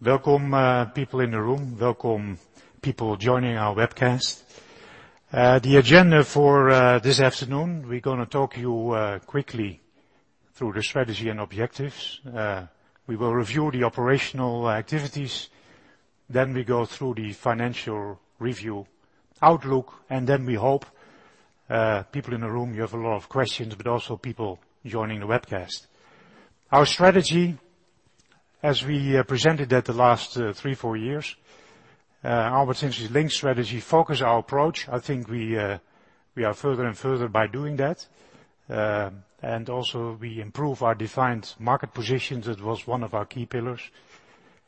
Welcome, people in the room. Welcome, people joining our webcast. The agenda for this afternoon, we're going to talk you quickly through the strategy and objectives. We will review the operational activities. We go through the financial review outlook. We hope, people in the room, you have a lot of questions, but also people joining the webcast. Our strategy, as we presented at the last three, four years, Aalberts Industries Linked strategy, focus our approach. I think we are further and further by doing that. Also we improve our defined market positions. That was one of our key pillars,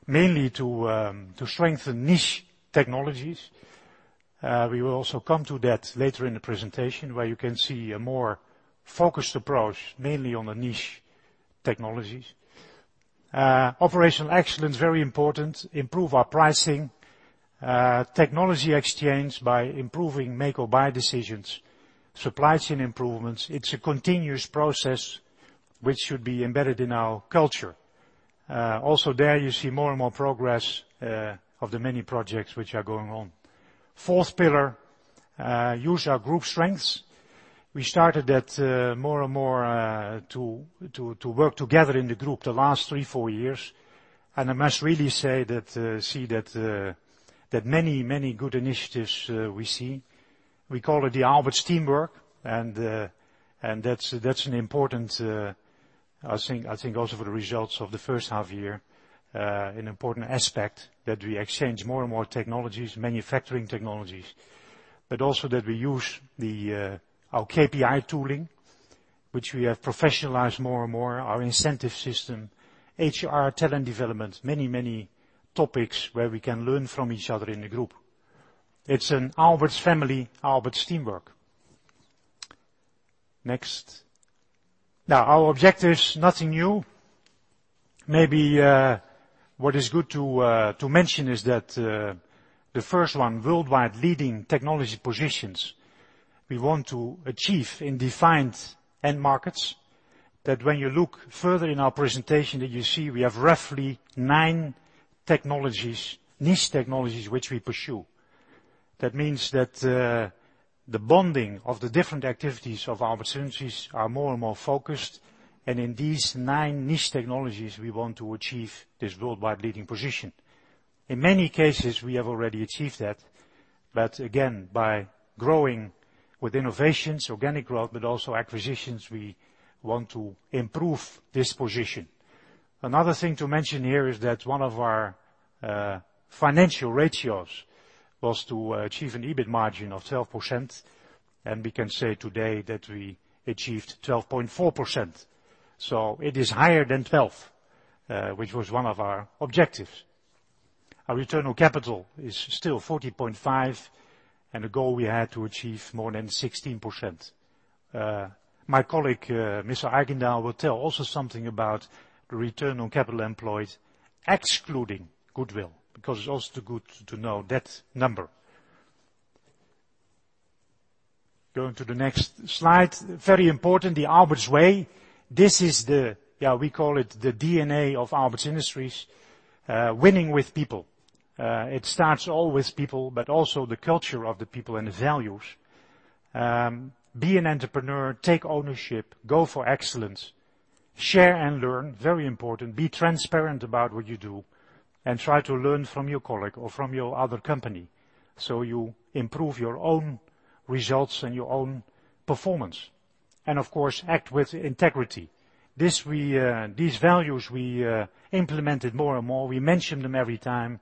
mainly to strengthen niche technologies. We will also come to that later in the presentation where you can see a more focused approach, mainly on the niche technologies. Operational excellence, very important. Improve our pricing. Technology exchange by improving make or buy decisions. Supply chain improvements. It's a continuous process which should be embedded in our culture. Also there you see more and more progress of the many projects which are going on. Fourth pillar, use our group strengths. We started that more and more to work together in the group the last three, four years. I must really say that many good initiatives we see. We call it the Aalberts teamwork. That's an important, I think, also for the results of the first half year, an important aspect that we exchange more and more technologies, manufacturing technologies. Also that we use our KPI tooling, which we have professionalized more and more, our incentive system, HR talent development, many topics where we can learn from each other in the group. It's an Aalberts family, Aalberts teamwork. Next. Our objectives, nothing new. Maybe what is good to mention is that the first one, worldwide leading technology positions we want to achieve in defined end markets, that when you look further in our presentation, that you see we have roughly nine niche technologies which we pursue. That means that the bonding of the different activities of Aalberts Industries are more and more focused. In these nine niche technologies, we want to achieve this worldwide leading position. In many cases, we have already achieved that. Again, by growing with innovations, organic growth, also acquisitions, we want to improve this position. Another thing to mention here is that one of our financial ratios was to achieve an EBIT margin of 12%, and we can say today that we achieved 12.4%. It is higher than 12, which was one of our objectives. Our return on capital is still 14.5%, and the goal we had to achieve more than 16%. My colleague, Mr. Eijgendaal, will tell also something about the return on capital employed excluding goodwill, because it's also good to know that number. Going to the next slide. Very important, the Aalberts way. This is the, we call it the DNA of Aalberts Industries, winning with people. It starts all with people, also the culture of the people and the values. Be an entrepreneur, take ownership, go for excellence, share and learn, very important. Be transparent about what you do. Try to learn from your colleague or from your other company. You improve your own results and your own performance. Of course, act with integrity. These values we implemented more and more. We mention them every time,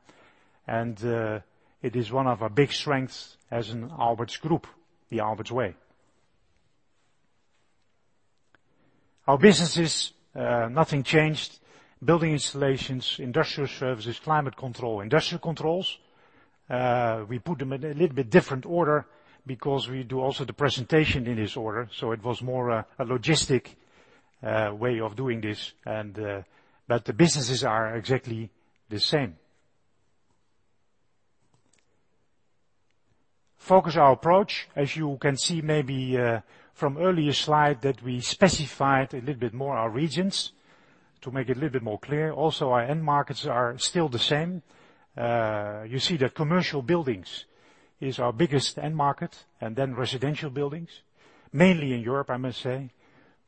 it is one of our big strengths as an Aalberts group, the Aalberts way. Our businesses, nothing changed. Building Installations, Industrial Services, Climate Control, Industrial Controls. We put them in a little bit different order because we do also the presentation in this order, so it was more a logistic way of doing this. The businesses are exactly the same. Focus our approach. As you can see maybe from earlier slide that we specified a little bit more our regions to make it a little bit more clear. Our end markets are still the same. You see that commercial buildings is our biggest end market, then residential buildings. Mainly in Europe, I must say.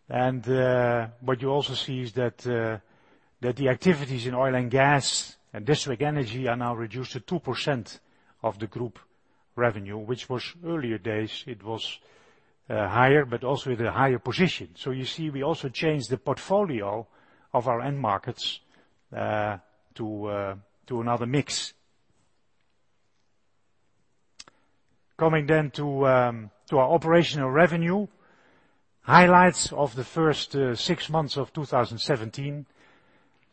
What you also see is that the activities in oil and gas and district energy are now reduced to 2% of the group revenue, which was earlier days it was higher, but also with a higher position. You see we also changed the portfolio of our end markets to another mix. Coming to our operational revenue. Highlights of the first six months of 2017.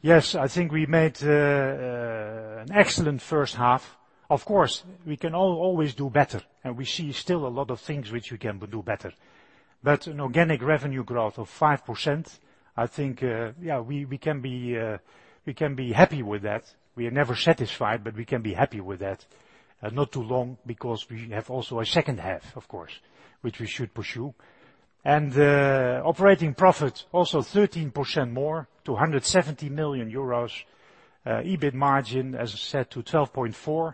Yes, I think we made an excellent first half. Of course, we can always do better, and we see still a lot of things which we can do better. An organic revenue growth of 5%, I think, yeah, we can be happy with that. We are never satisfied, but we can be happy with that. Not too long because we have also a second half, of course, which we should pursue. The operating profit also 13% more to 170 million euros. EBIT margin, as I said, to 12.4%,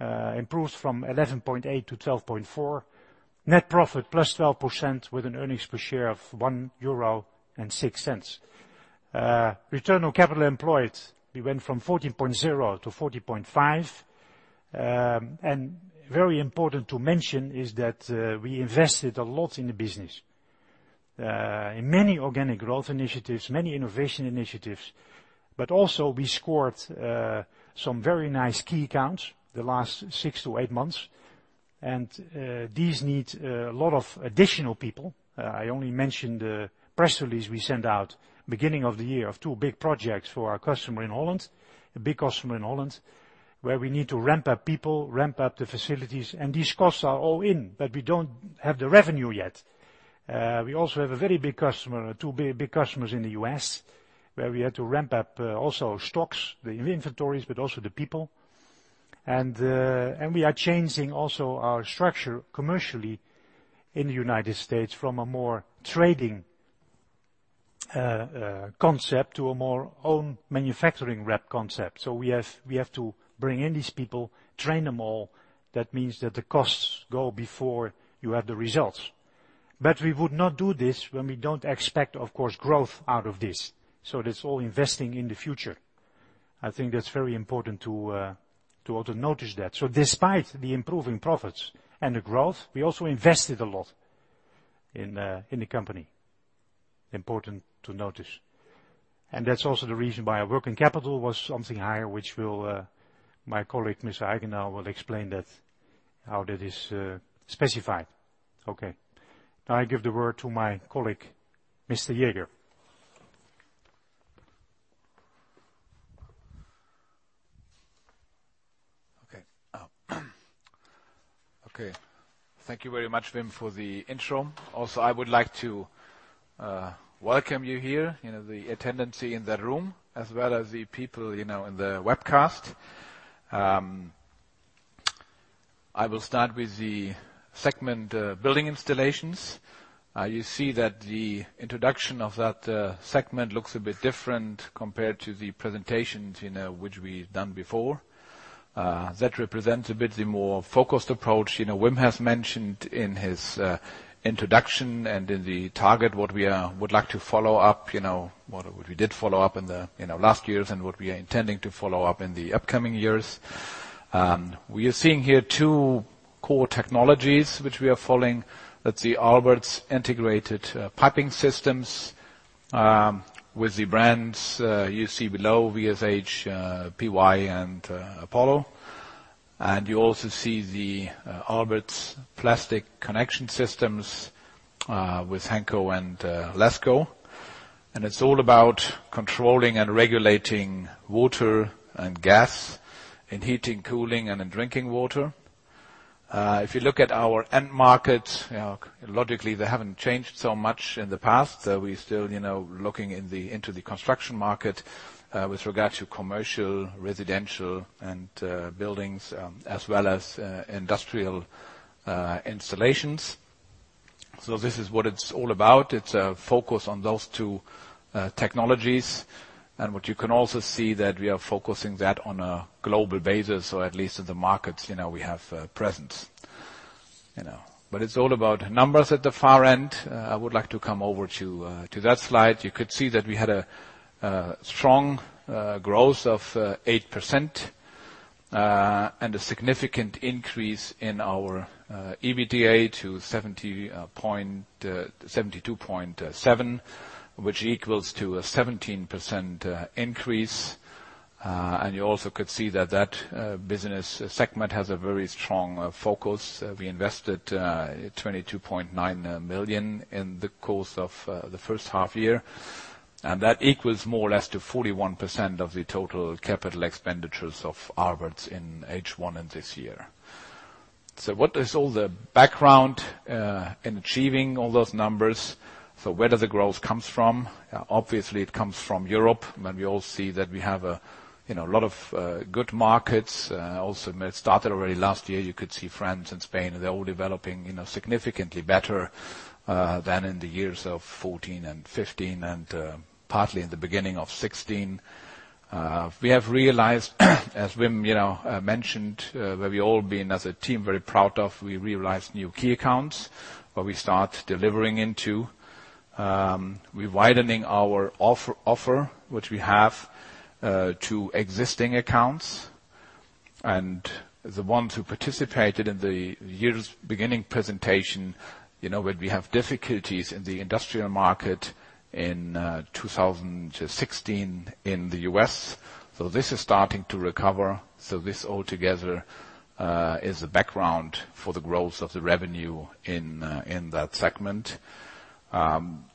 improves from 11.8% to 12.4%. Net profit plus 12% with an earnings per share of 1.06 euro. Return on capital employed, we went from 14.0% to 14.5%. Very important to mention is that we invested a lot in the business. In many organic growth initiatives, many innovation initiatives, but also we scored some very nice key accounts the last six to eight months, and these need a lot of additional people. I only mentioned the press release we sent out beginning of the year of two big projects for our customer in Holland, a big customer in Holland, where we need to ramp up people, ramp up the facilities, and these costs are all in, but we don't have the revenue yet. We also have a very big customer, two big customers in the U.S., where we had to ramp up also stocks, the inventories, but also the people. We are changing also our structure commercially in the United States from a more trading concept to a more own manufacturing rep concept. We have to bring in these people, train them all. That means that the costs go before you have the results. We would not do this when we don't expect, of course, growth out of this. That's all investing in the future. I think that's very important to also notice that. Despite the improving profits and the growth, we also invested a lot in the company. Important to notice. That's also the reason why our working capital was something higher, which will my colleague, Mr. Eijgendaal, will explain that, how that is specified. Okay. I give the word to my colleague, Mr. Jäger. Thank you very much, Wim, for the intro. Also, I would like to welcome you here, the attendancy in the room, as well as the people in the webcast. I will start with the segment building installations. You see that the introduction of that segment looks a bit different compared to the presentations which we've done before. That represents a bit the more focused approach. Wim has mentioned in his introduction and in the target what we would like to follow up, what we did follow up in the last years and what we are intending to follow up in the upcoming years. We are seeing here two core technologies which we are following. That's the Aalberts Integrated Piping Systems, with the brands you see below, VSH, PY and Apollo.. I You also see the Aalberts plastic connection systems with Henco and LASCO. It's all about controlling and regulating water and gas in heating, cooling, and in drinking water. If you look at our end markets, logically, they haven't changed so much in the past. We're still looking into the construction market with regard to commercial, residential, and buildings as well as industrial installations. This is what it's all about. It's a focus on those two technologies. What you can also see that we are focusing that on a global basis or at least in the markets we have presence. It's all about numbers at the far end. I would like to come over to that slide. You could see that we had a strong growth of 8% and a significant increase in our EBITDA to 72.7, which equals to a 17% increase. You also could see that that business segment has a very strong focus. We invested 22.9 million in the course of the first half year, that equals more or less to 41% of the total capital expenditures of Aalberts in H1 in this year. What is all the background in achieving all those numbers? Where does the growth comes from? Obviously, it comes from Europe, we all see that we have a lot of good markets. Also, it started already last year. You could see France and Spain, they're all developing significantly better than in the years of 2014 and 2015 and partly in the beginning of 2016. We have realized as Wim mentioned, where we all been as a team very proud of, we realized new key accounts, where we start delivering into. We widening our offer, which we have to existing accounts. The ones who participated in the year's beginning presentation, where we have difficulties in the industrial market in 2016 in the U.S. This is starting to recover, so this all together is a background for the growth of the revenue in that segment.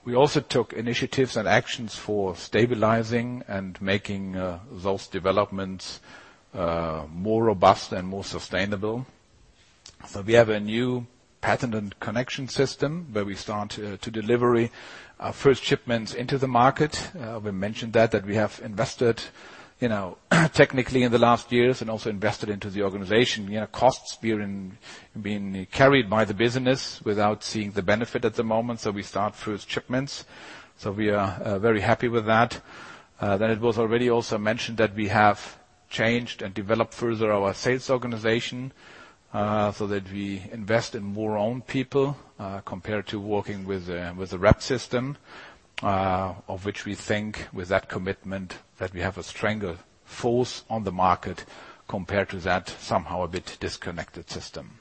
We also took initiatives and actions for stabilizing and making those developments more robust and more sustainable. We have a new patent and connection system where we start to deliver our first shipments into the market. We mentioned that we have invested technically in the last years and also invested into the organization. Costs being carried by the business without seeing the benefit at the moment. We start first shipments. We are very happy with that. It was already also mentioned that we have changed and developed further our sales organization so that we invest in more own people compared to working with a rep system, of which we think with that commitment that we have a stronger force on the market compared to that somehow a bit disconnected system.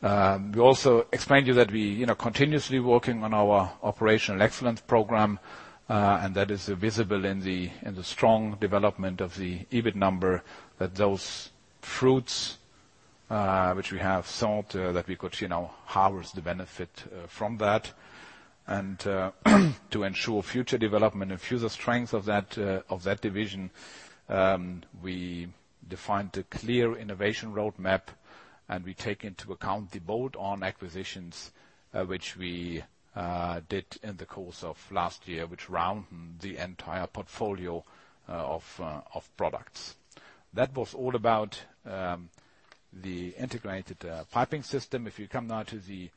That is visible in the strong development of the EBIT number, that those fruits which we have sowed we could harvest the benefit from that. To ensure future development and future strength of that division, we defined a clear innovation roadmap, and we take into account the bolt-on acquisitions which we did in the course of last year, which round the entire portfolio of products. That was all about the Integrated Piping Systems. You come now to the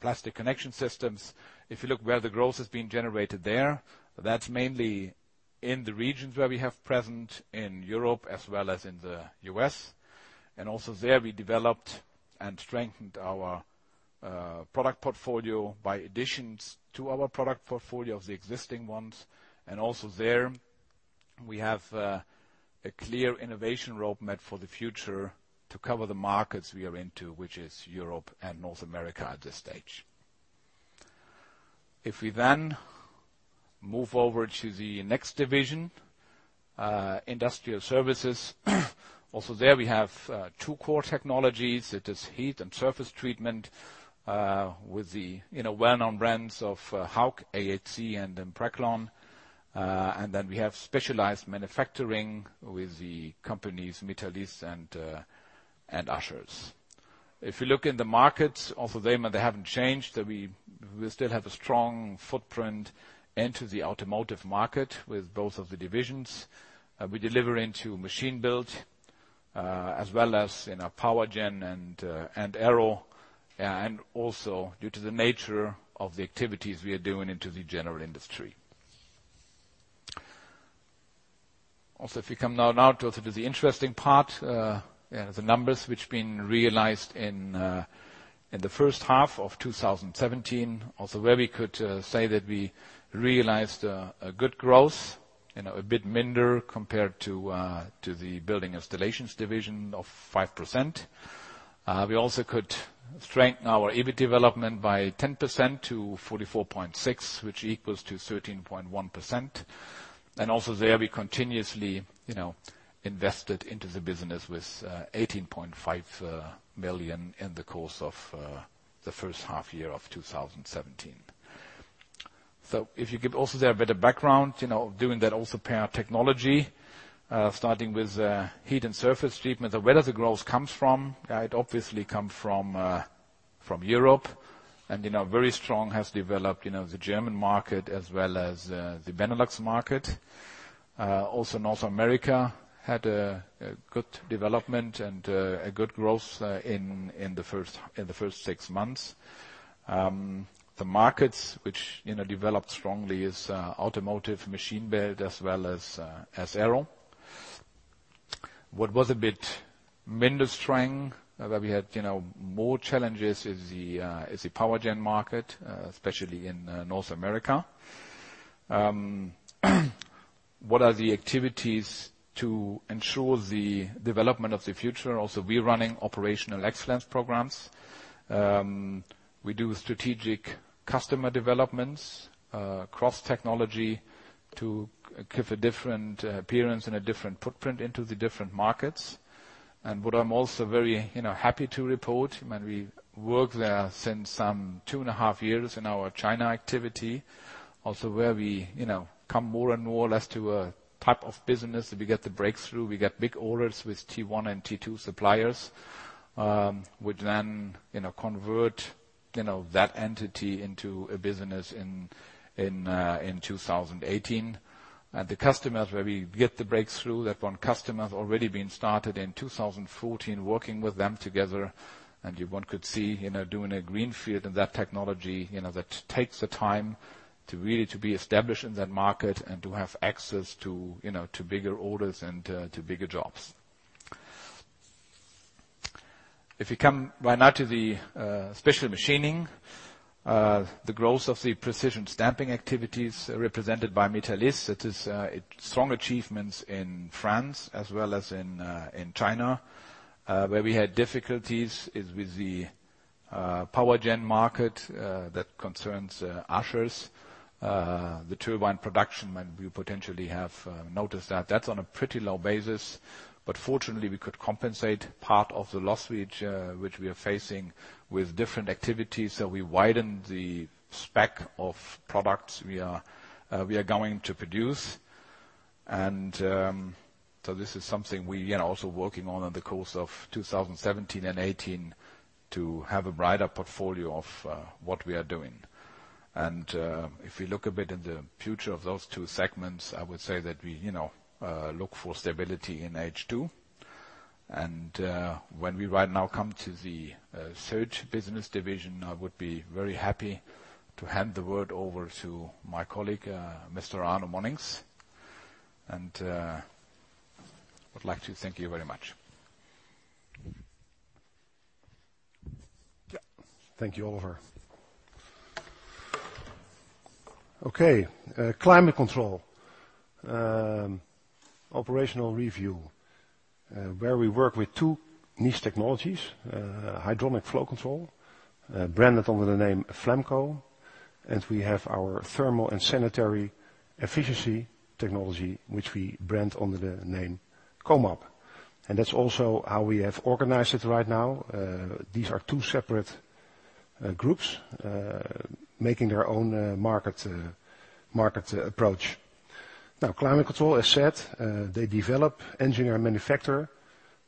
Plastic Connection Systems. If you look where the growth has been generated there, that's mainly in the regions where we have present in Europe as well as in the U.S. There we developed and strengthened our product portfolio by additions to our product portfolio of the existing ones. There we have a clear innovation roadmap for the future to cover the markets we are into, which is Europe and North America at this stage. We move over to the next division, Industrial Services. There we have two core technologies. It is heat and surface treatment with the well-known brands of Hauck, AHT, and Preclon. We have specialized manufacturing with the companies Metalis and Ushers. You look in the markets, they haven't changed. We still have a strong footprint into the automotive market with both of the divisions. We deliver into machine build, as well as in our Powergen and Aero, due to the nature of the activities we are doing into the general industry. You come now to the interesting part, the numbers which been realized in the first half of 2017, where we could say that we realized a good growth, a bit minder compared to the building installations division of 5%. We could strengthen our EBIT development by 10% to 44.6, which equals to 13.1%. There, we continuously invested into the business with 18.5 million in the course of the first half year of 2017. If you give also there a bit of background, doing that also per technology, starting with heat and surface treatment, where the growth comes from. It obviously comes from Europe, and very strong has developed the German market as well as the Benelux market. North America had a good development and a good growth in the first six months. The markets which developed strongly are automotive, machine build, as well as aerospace. What was a bit minor strength, where we had more challenges is the power generation market, especially in North America. What are the activities to ensure the development of the future? We are running operational excellence programs. We do strategic customer developments, cross-technology to give a different appearance and a different footprint into the different markets. What I am also very happy to report, we work there since some two and a half years in our China activity, also where we come more and more or less to a type of business, we get the breakthrough. We get big orders with T1 and T2 suppliers, which convert that entity into a business in 2018. The customers where we get the breakthrough, that one customer has already been started in 2014, working with them together. One could see, doing a greenfield in that technology, that takes the time to really to be established in that market and to have access to bigger orders and to bigger jobs. If you come right now to the special machining, the growth of the precision stamping activities represented by Metalis. It is strong achievements in France as well as in China. Where we had difficulties is with the power generation market that concerns Ushers, the turbine production, and we potentially have noticed that. That is on a pretty low basis, but fortunately, we could compensate part of the loss which we are facing with different activities. We widened the spec of products we are going to produce. This is something we are also working on in the course of 2017 and 2018 to have a broader portfolio of what we are doing. If you look a bit in the future of those two segments, I would say that we look for stability in H2. When we right now come to the third business division, I would be very happy to hand the word over to my colleague, Mr. Arno Monincx, and I would like to thank you very much. Thank you, Oliver. Climate Control. Operational review, where we work with two niche technologies, Hydronic Flow Control, branded under the name Flamco, and we have our thermal and sanitary efficiency technology, which we brand under the name Comap. That is also how we have organized it right now. These are two separate groups, making their own market approach. Climate Control, as said, they develop, engineer, and manufacture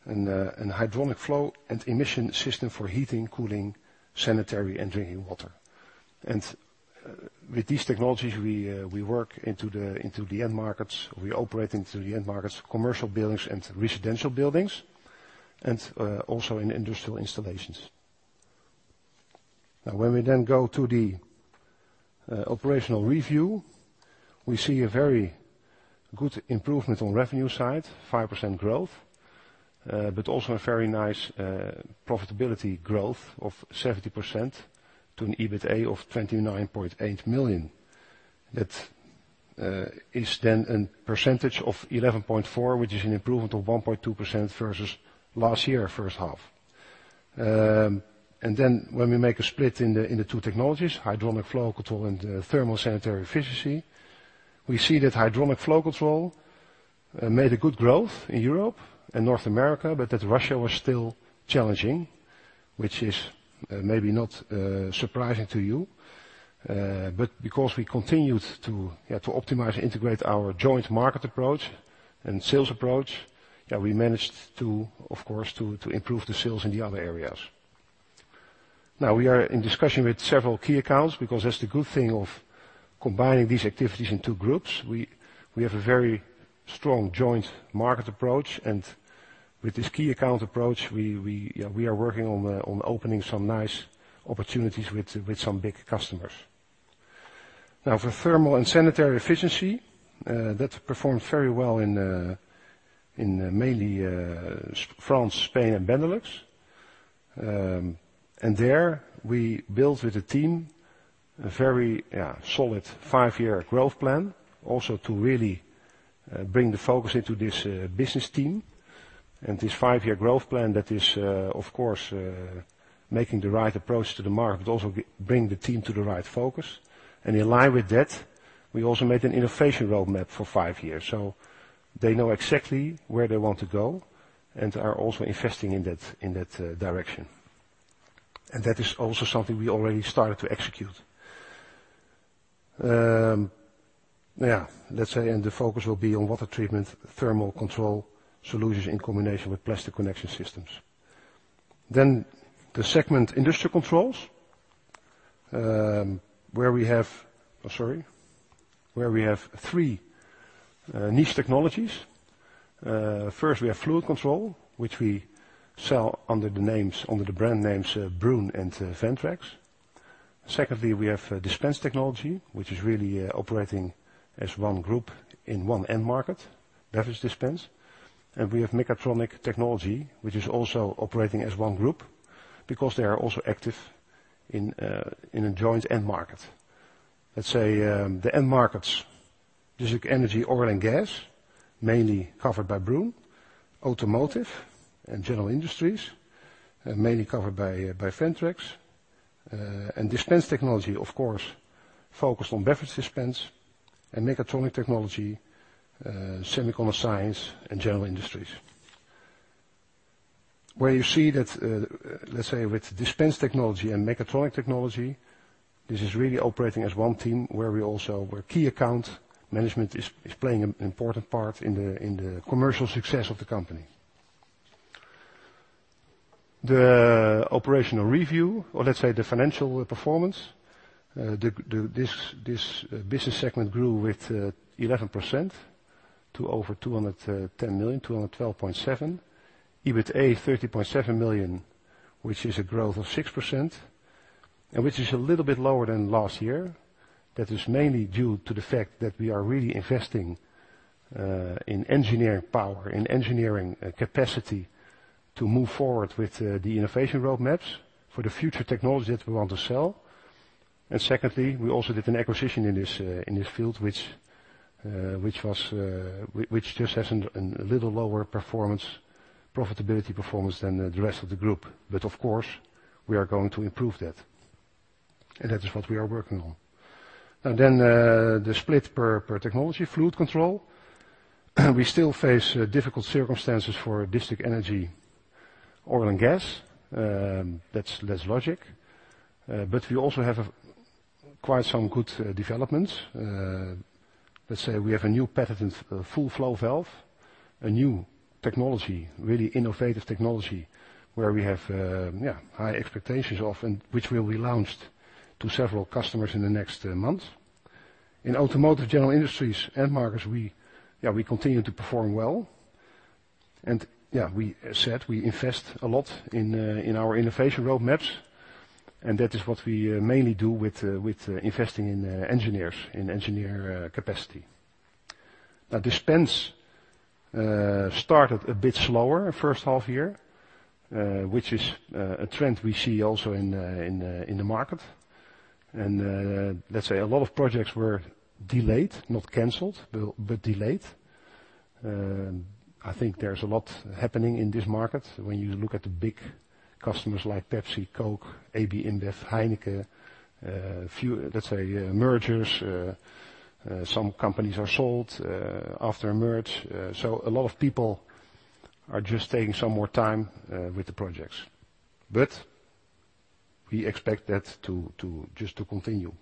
a hydronic flow and emission system for heating, cooling, sanitary, and drinking water. With these technologies, we work into the end markets. We operate into the end markets, commercial buildings and residential buildings, and also in industrial installations. When we go to the operational review, we see a very good improvement on revenue side, 5% growth, but also a very nice profitability growth of 70% to an EBITDA of 29.8 million. That is a percentage of 11.4%, which is an improvement of 1.2% versus last year H1. When we make a split in the two technologies, Hydronic Flow Control and thermal sanitary efficiency, we see that Hydronic Flow Control made a good growth in Europe and North America, but that Russia was still challenging, which is maybe not surprising to you. Because we continued to optimize and integrate our joint market approach and sales approach, we managed, of course, to improve the sales in the other areas. We are in discussion with several key accounts because that's the good thing of combining these activities in two groups. We have a very strong joint market approach, and with this key account approach, we are working on opening some nice opportunities with some big customers. For thermal and sanitary efficiency, that performed very well in mainly France, Spain, and Benelux. There we built with a team a very solid five-year growth plan also to really bring the focus into this business team and this five-year growth plan that is, of course, making the right approach to the market, but also bring the team to the right focus. In line with that, we also made an innovation roadmap for five years. They know exactly where they want to go and are also investing in that direction. That is also something we already started to execute. The focus will be on water treatment, thermal control solutions in combination with Plastic Connection Systems. The segment Industrial Controls, where we have three niche technologies. First, we have Fluid Control, which we sell under the brand names Broen and Ventrex. Secondly, we have dispense technology, which is really operating as one group in one end market, beverage dispense. We have mechatronic technology, which is also operating as one group because they are also active in a joint end market. The end markets, basic energy, oil and gas, mainly covered by Broen, automotive and general industries, mainly covered by Ventrex. Dispense technology, of course, focused on beverage dispense and mechatronic technology, Semicon & Science, and general industries. Where you see that with dispense technology and mechatronic technology, this is really operating as one team where key account management is playing an important part in the commercial success of the company. The operational review or the financial performance. This business segment grew with 11% to over 210 million, 212.7. EBITDA 30.7 million, which is a growth of 6%, which is a little bit lower than last year. That is mainly due to the fact that we are really investing in engineering power and engineering capacity to move forward with the innovation roadmaps for the future technology that we want to sell. Secondly, we also did an acquisition in this field which just has a little lower profitability performance than the rest of the group. Of course, we are going to improve that. That is what we are working on. The split per technology Fluid Control. We still face difficult circumstances for district energy, oil and gas. That's logic. We also have quite some good developments. Let's say we have a new patent, FullFlow Valve, a new technology, really innovative technology, where we have high expectations of and which will be launched to several customers in the next month. In automotive general industries end markets, we continue to perform well. We said we invest a lot in our innovation roadmaps, and that is what we mainly do with investing in engineers, in engineer capacity. Dispense started a bit slower first half year, which is a trend we see also in the market. A lot of projects were delayed, not canceled, but delayed. I think there is a lot happening in this market when you look at the big customers like Pepsi, Coke, AB InBev, Heineken, mergers, some companies are sold after a merge. A lot of people are just taking some more time with the projects. We expect that just to continue.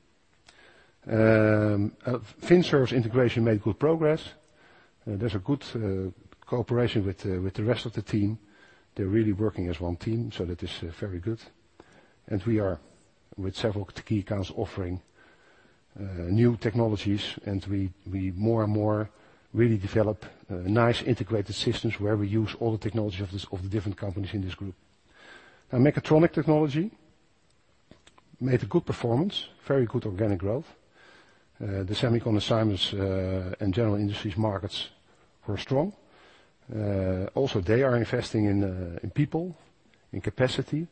Vin Service integration made good progress. There's a good cooperation with the rest of the team. They're really working as one team, so that is very good. We are with several key accounts offering new technologies, and we more and more really develop nice integrated systems where we use all the technology of the different companies in this group. Mechatronic technology made a good performance, very good organic growth. The semicon assignments and general industries markets were strong. They are investing in people, in capacity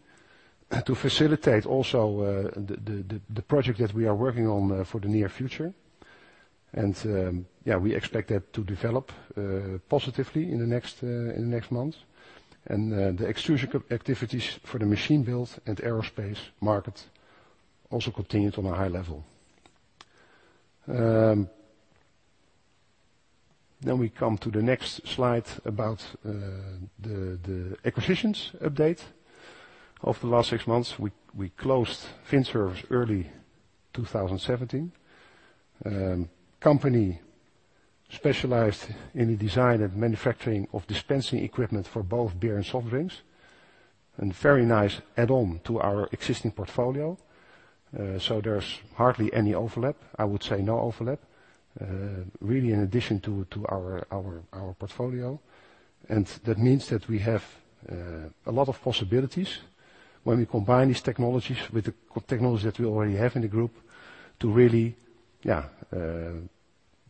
to facilitate also the project that we are working on for the near future. We expect that to develop positively in the next month. The extrusion activities for the machine build and aerospace market also continued on a high level. We come to the next slide about the acquisitions update. Of the last 6 months, we closed Vin Service early 2017, a company specialized in the design and manufacturing of dispensing equipment for both beer and soft drinks, and a very nice add-on to our existing portfolio. There's hardly any overlap, I would say no overlap, really an addition to our portfolio. That means that we have a lot of possibilities when we combine these technologies with the technologies that we already have in the group to really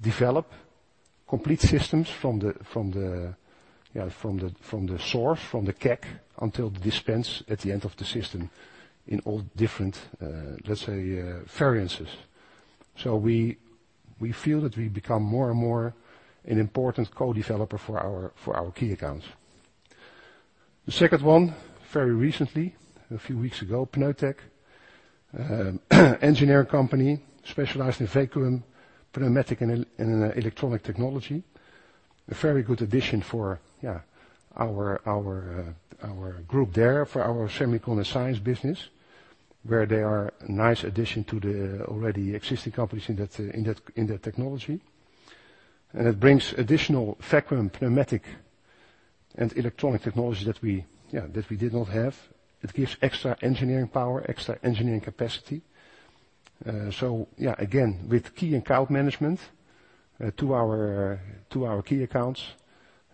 develop complete systems from the source, from the keg until the dispense at the end of the system in all different variances. We feel that we become more and more an important co-developer for our key accounts. The second one, very recently, a few weeks ago, Pneutec, engineering company specialized in vacuum, pneumatic, and electronic technology. A very good addition for our group there for our Semicon & Science business, where they are a nice addition to the already existing companies in that technology. It brings additional vacuum, pneumatic, and electronic technology that we did not have. It gives extra engineering power, extra engineering capacity. Again, with key account management to our key accounts,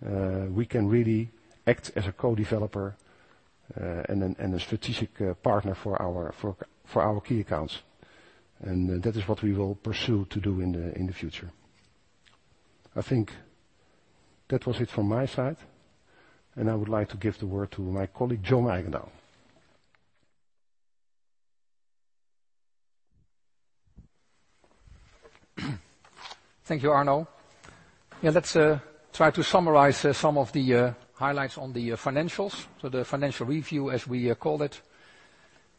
we can really act as a co-developer and a strategic partner for our key accounts. That is what we will pursue to do in the future. I think that was it from my side, I would like to give the word to my colleague, John Eijgendaal. Thank you, Arno. Let's try to summarize some of the highlights on the financials. The financial review, as we call it.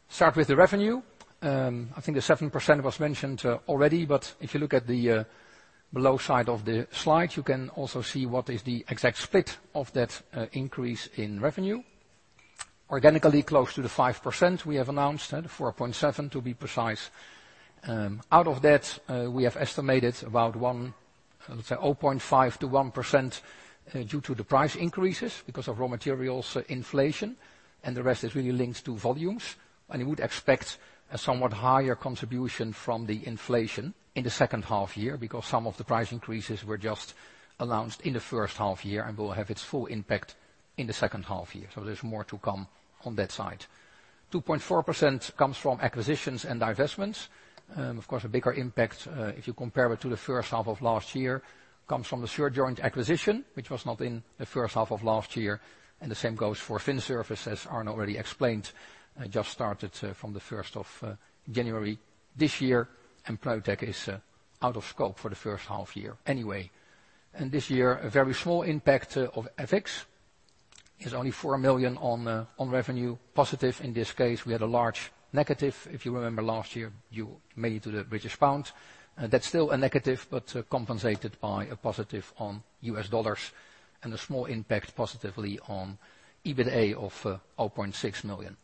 Start with the revenue. I think the 7% was mentioned already, but if you look at the below side of the slide, you can also see what is the exact split of that increase in revenue. Organically close to the 5% we have announced, 4.7 to be precise. Out of that, we have estimated about one, let's say 0.5% to 1% due to the price increases because of raw materials inflation, and the rest is really linked to volumes. You would expect a somewhat higher contribution from the inflation in the second half year because some of the price increases were just announced in the first half year and will have its full impact in the second half year. There's more to come on that side. 2.4% comes from acquisitions and divestments. Of course, a bigger impact, if you compare it to the first half of last year, comes from the Shurjoint acquisition, which was not in the first half of last year, and the same goes for Vin Service, as Arno already explained. Just started from the 1st of January this year, Pneutec is out of scope for the first half year anyway. This year, a very small impact of FX is only 4 million on revenue positive in this case. We had a large negative, if you remember last year, mainly to the British pound. That's still a negative, but compensated by a positive on US dollars and a small impact positively on EBITA of 0.6 million.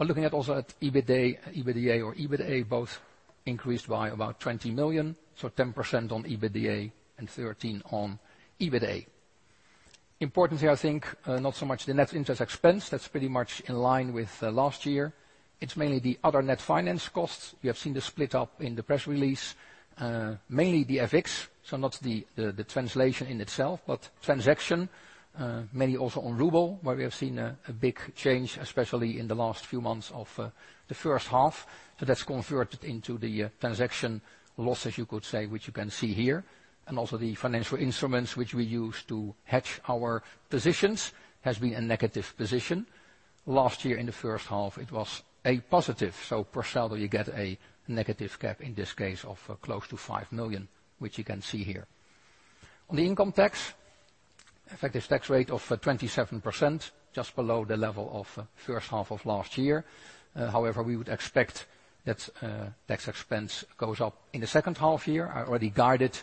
Looking at also at EBITA, EBITDA or EBITA both increased by about 20 million, so 10% on EBITDA and 13% on EBITA. Importantly, not so much the net interest expense. That's pretty much in line with last year. It's mainly the other net finance costs. You have seen the split up in the press release. Mainly the FX, not the translation in itself, but transaction, mainly also on ruble, where we have seen a big change, especially in the last few months of the first half. That's converted into the transaction loss, as you could say, which you can see here. Also the financial instruments which we use to hedge our positions has been a negative position. Last year in the first half, it was a positive. Precisely you get a negative gap, in this case of close to 5 million, which you can see here. On the income tax, effective tax rate of 27%, just below the level of first half of last year. However, we would expect that tax expense goes up in the second half year, are already guided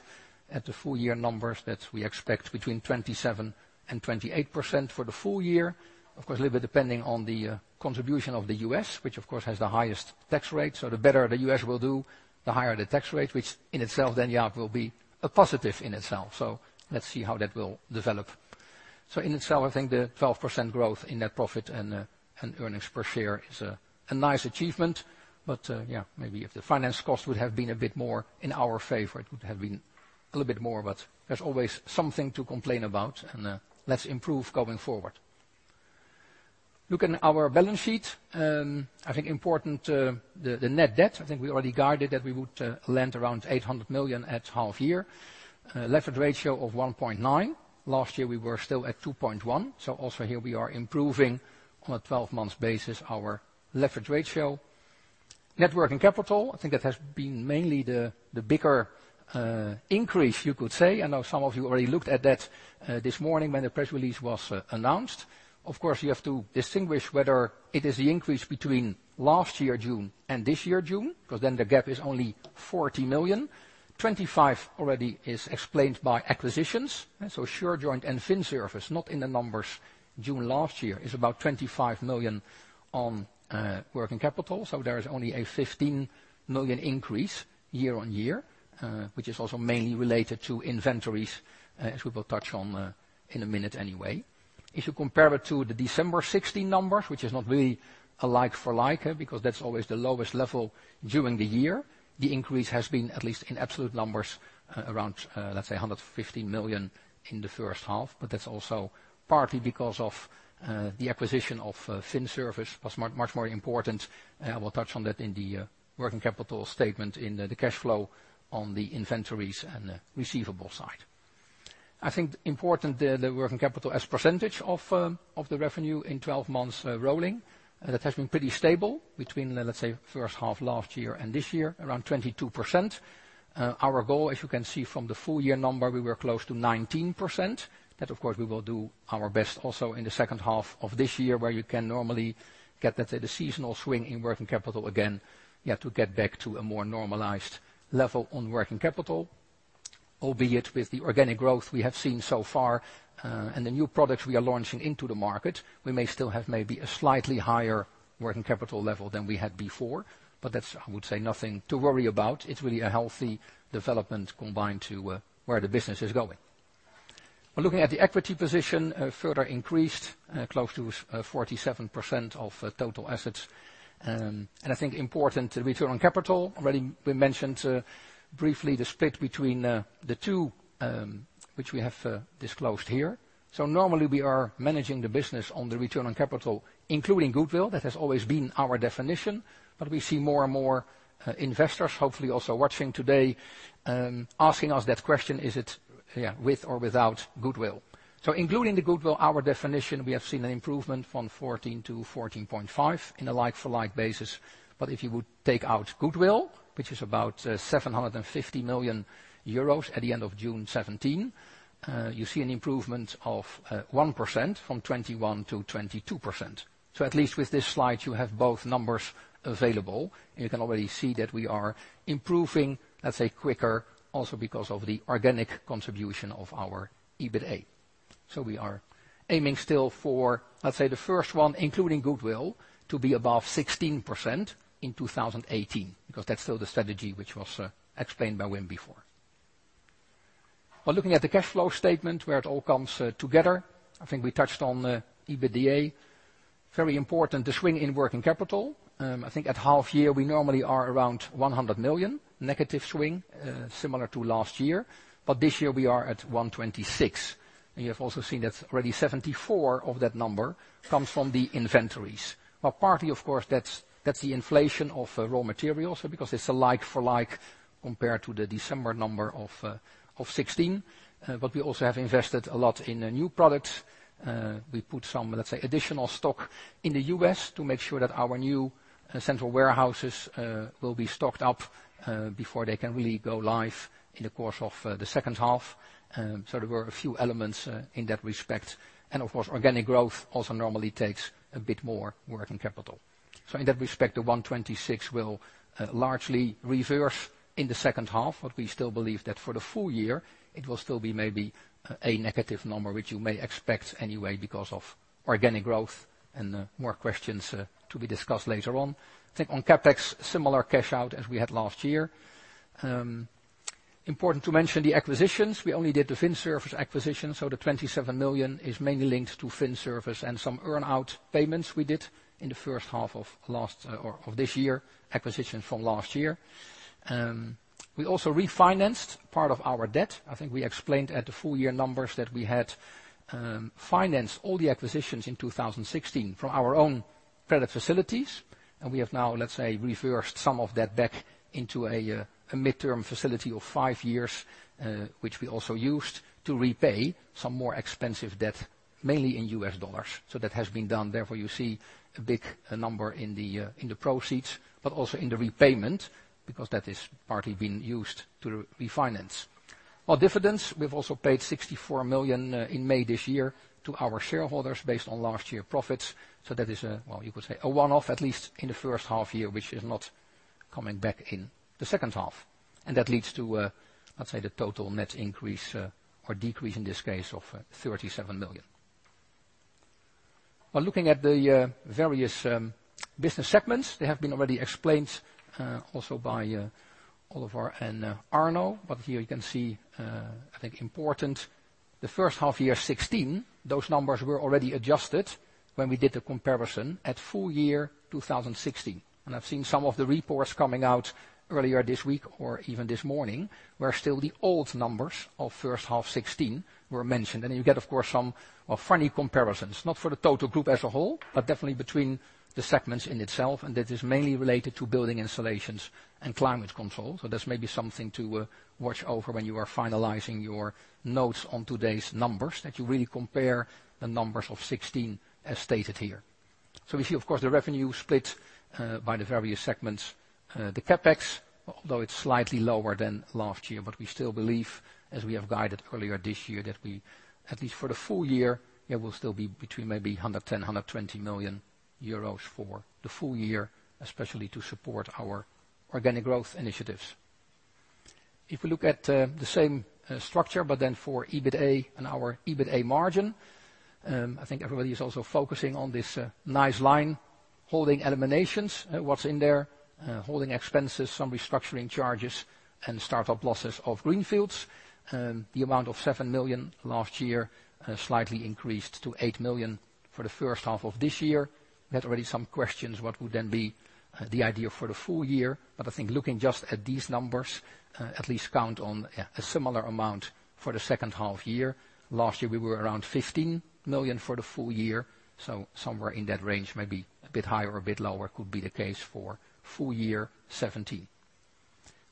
at the full year numbers that we expect between 27%-28% for the full year. Of course, a little bit depending on the contribution of the U.S., which, of course, has the highest tax rate. The better the U.S. will do, the higher the tax rate, which in itself then will be a positive in itself. Let's see how that will develop. In itself, I think the 12% growth in net profit and earnings per share is a nice achievement. Maybe if the finance cost would have been a bit more in our favor, it would have been a little bit more. There's always something to complain about, and let's improve going forward. Look at our balance sheet. The net debt, we already guided that we would lend around 800 million at half year. Leverage ratio of 1.9. Last year, we were still at 2.1. Also here we are improving on a 12-month basis our leverage ratio. Net working capital, that has been mainly the bigger increase, you could say. I know some of you already looked at that this morning when the press release was announced. Of course, you have to distinguish whether it is the increase between last year June and this year June, because then the gap is only 40 million. 25 already is explained by acquisitions. Shurjoint and Vin Service, not in the numbers June last year, is about 25 million on working capital. There is only a 15 million increase year-on-year, which is also mainly related to inventories, as we will touch on in a minute anyway. If you compare it to the December 2016 numbers, which is not really a like-for-like, because that's always the lowest level during the year, the increase has been at least in absolute numbers around, let's say 150 million in the first half. That's also partly because of the acquisition of Vin Service was much more important. I will touch on that in the working capital statement in the cash flow on the inventories and the receivable side. The working capital as percentage of the revenue in 12-months rolling. That has been pretty stable between, let's say, first half last year and this year, around 22%. Our goal, as you can see from the full year number, we were close to 19%. We will do our best also in the second half of this year, where you can normally get, let's say, the seasonal swing in working capital again. You have to get back to a more normalized level on working capital, albeit with the organic growth we have seen so far, and the new products we are launching into the market, we may still have maybe a slightly higher working capital level than we had before. That's, I would say, nothing to worry about. It's really a healthy development combined to where the business is going. Looking at the equity position further increased close to 47% of total assets. The return on capital. Already we mentioned briefly the split between the two, which we have disclosed here. Normally we are managing the business on the return on capital, including goodwill. That has always been our definition. We see more and more investors, hopefully also watching today, asking us that question, is it with or without goodwill? Including the goodwill, our definition, we have seen an improvement from 14-14.5 in a like-for-like basis. If you would take out goodwill, which is about 750 million euros at the end of June 2017, you see an improvement of 1% from 21%-22%. At least with this slide, you have both numbers available. You can already see that we are improving, let's say, quicker also because of the organic contribution of our EBITA. We are aiming still for, let's say, the first one, including goodwill, to be above 16% in 2018, because that's still the strategy which was explained by Wim before. Looking at the cash flow statement where it all comes together, I think we touched on EBITDA. Very important, the swing in working capital. I think at half year, we normally are around 100 million negative swing, similar to last year. This year we are at 126. You have also seen that already 74 of that number comes from the inventories. Partly, of course, that's the inflation of raw materials because it's a like for like compared to the December number of 2016. We also have invested a lot in new products. We put some, let's say, additional stock in the U.S. to make sure that our new central warehouses will be stocked up before they can really go live in the course of the second half. There were a few elements in that respect. Of course, organic growth also normally takes a bit more working capital. In that respect, the 126 will largely reverse in the second half, we still believe that for the full year, it will still be maybe a negative number, which you may expect anyway because of organic growth and more questions to be discussed later on. I think on CapEx, similar cash out as we had last year. Important to mention the acquisitions. We only did the Vin Service acquisition, the 27 million is mainly linked to Vin Service and some earn-out payments we did in the first half of this year, acquisition from last year. We also refinanced part of our debt. I think we explained at the full year numbers that we had financed all the acquisitions in 2016 from our own credit facilities. We have now, let's say, reversed some of that back into a midterm facility of 5 years, which we also used to repay some more expensive debt, mainly in US dollars. That has been done. Therefore, you see a big number in the proceeds, also in the repayment, because that is partly being used to refinance. Our dividends, we've also paid 64 million in May this year to our shareholders based on last year profits. That is a, well, you could say a one-off, at least in the first half year, which is not coming back in the second half. That leads to, let's say, the total net increase or decrease in this case of 37 million. While looking at the various business segments, they have been already explained also by Oliver and Arno. Here you can see, I think important, the first half year 2016, those numbers were already adjusted when we did the comparison at full year 2016. I've seen some of the reports coming out earlier this week or even this morning, where still the old numbers of first half 2016 were mentioned. You get, of course, some funny comparisons, not for the total group as a whole, definitely between the segments in itself, and that is mainly related to building installations and climate control. That's maybe something to watch over when you are finalizing your notes on today's numbers, that you really compare the numbers of 2016 as stated here. We see, of course, the revenue split by the various segments. CapEx, although it's slightly lower than last year, we still believe, as we have guided earlier this year, that we, at least for the full year, it will still be between 110 million-120 million euros for the full year, especially to support our organic growth initiatives. If we look at the same structure, for EBITA and our EBITA margin, I think everybody is also focusing on this nice line, holding eliminations, what's in there, holding expenses, some restructuring charges, and startup losses of greenfields. The amount of 7 million last year slightly increased to 8 million for the first half of this year. We had already some questions what would be the idea for the full year, I think looking just at these numbers, at least count on a similar amount for the second half year. Last year, we were around 15 million for the full year. Somewhere in that range, maybe a bit higher or a bit lower could be the case for full year 2017.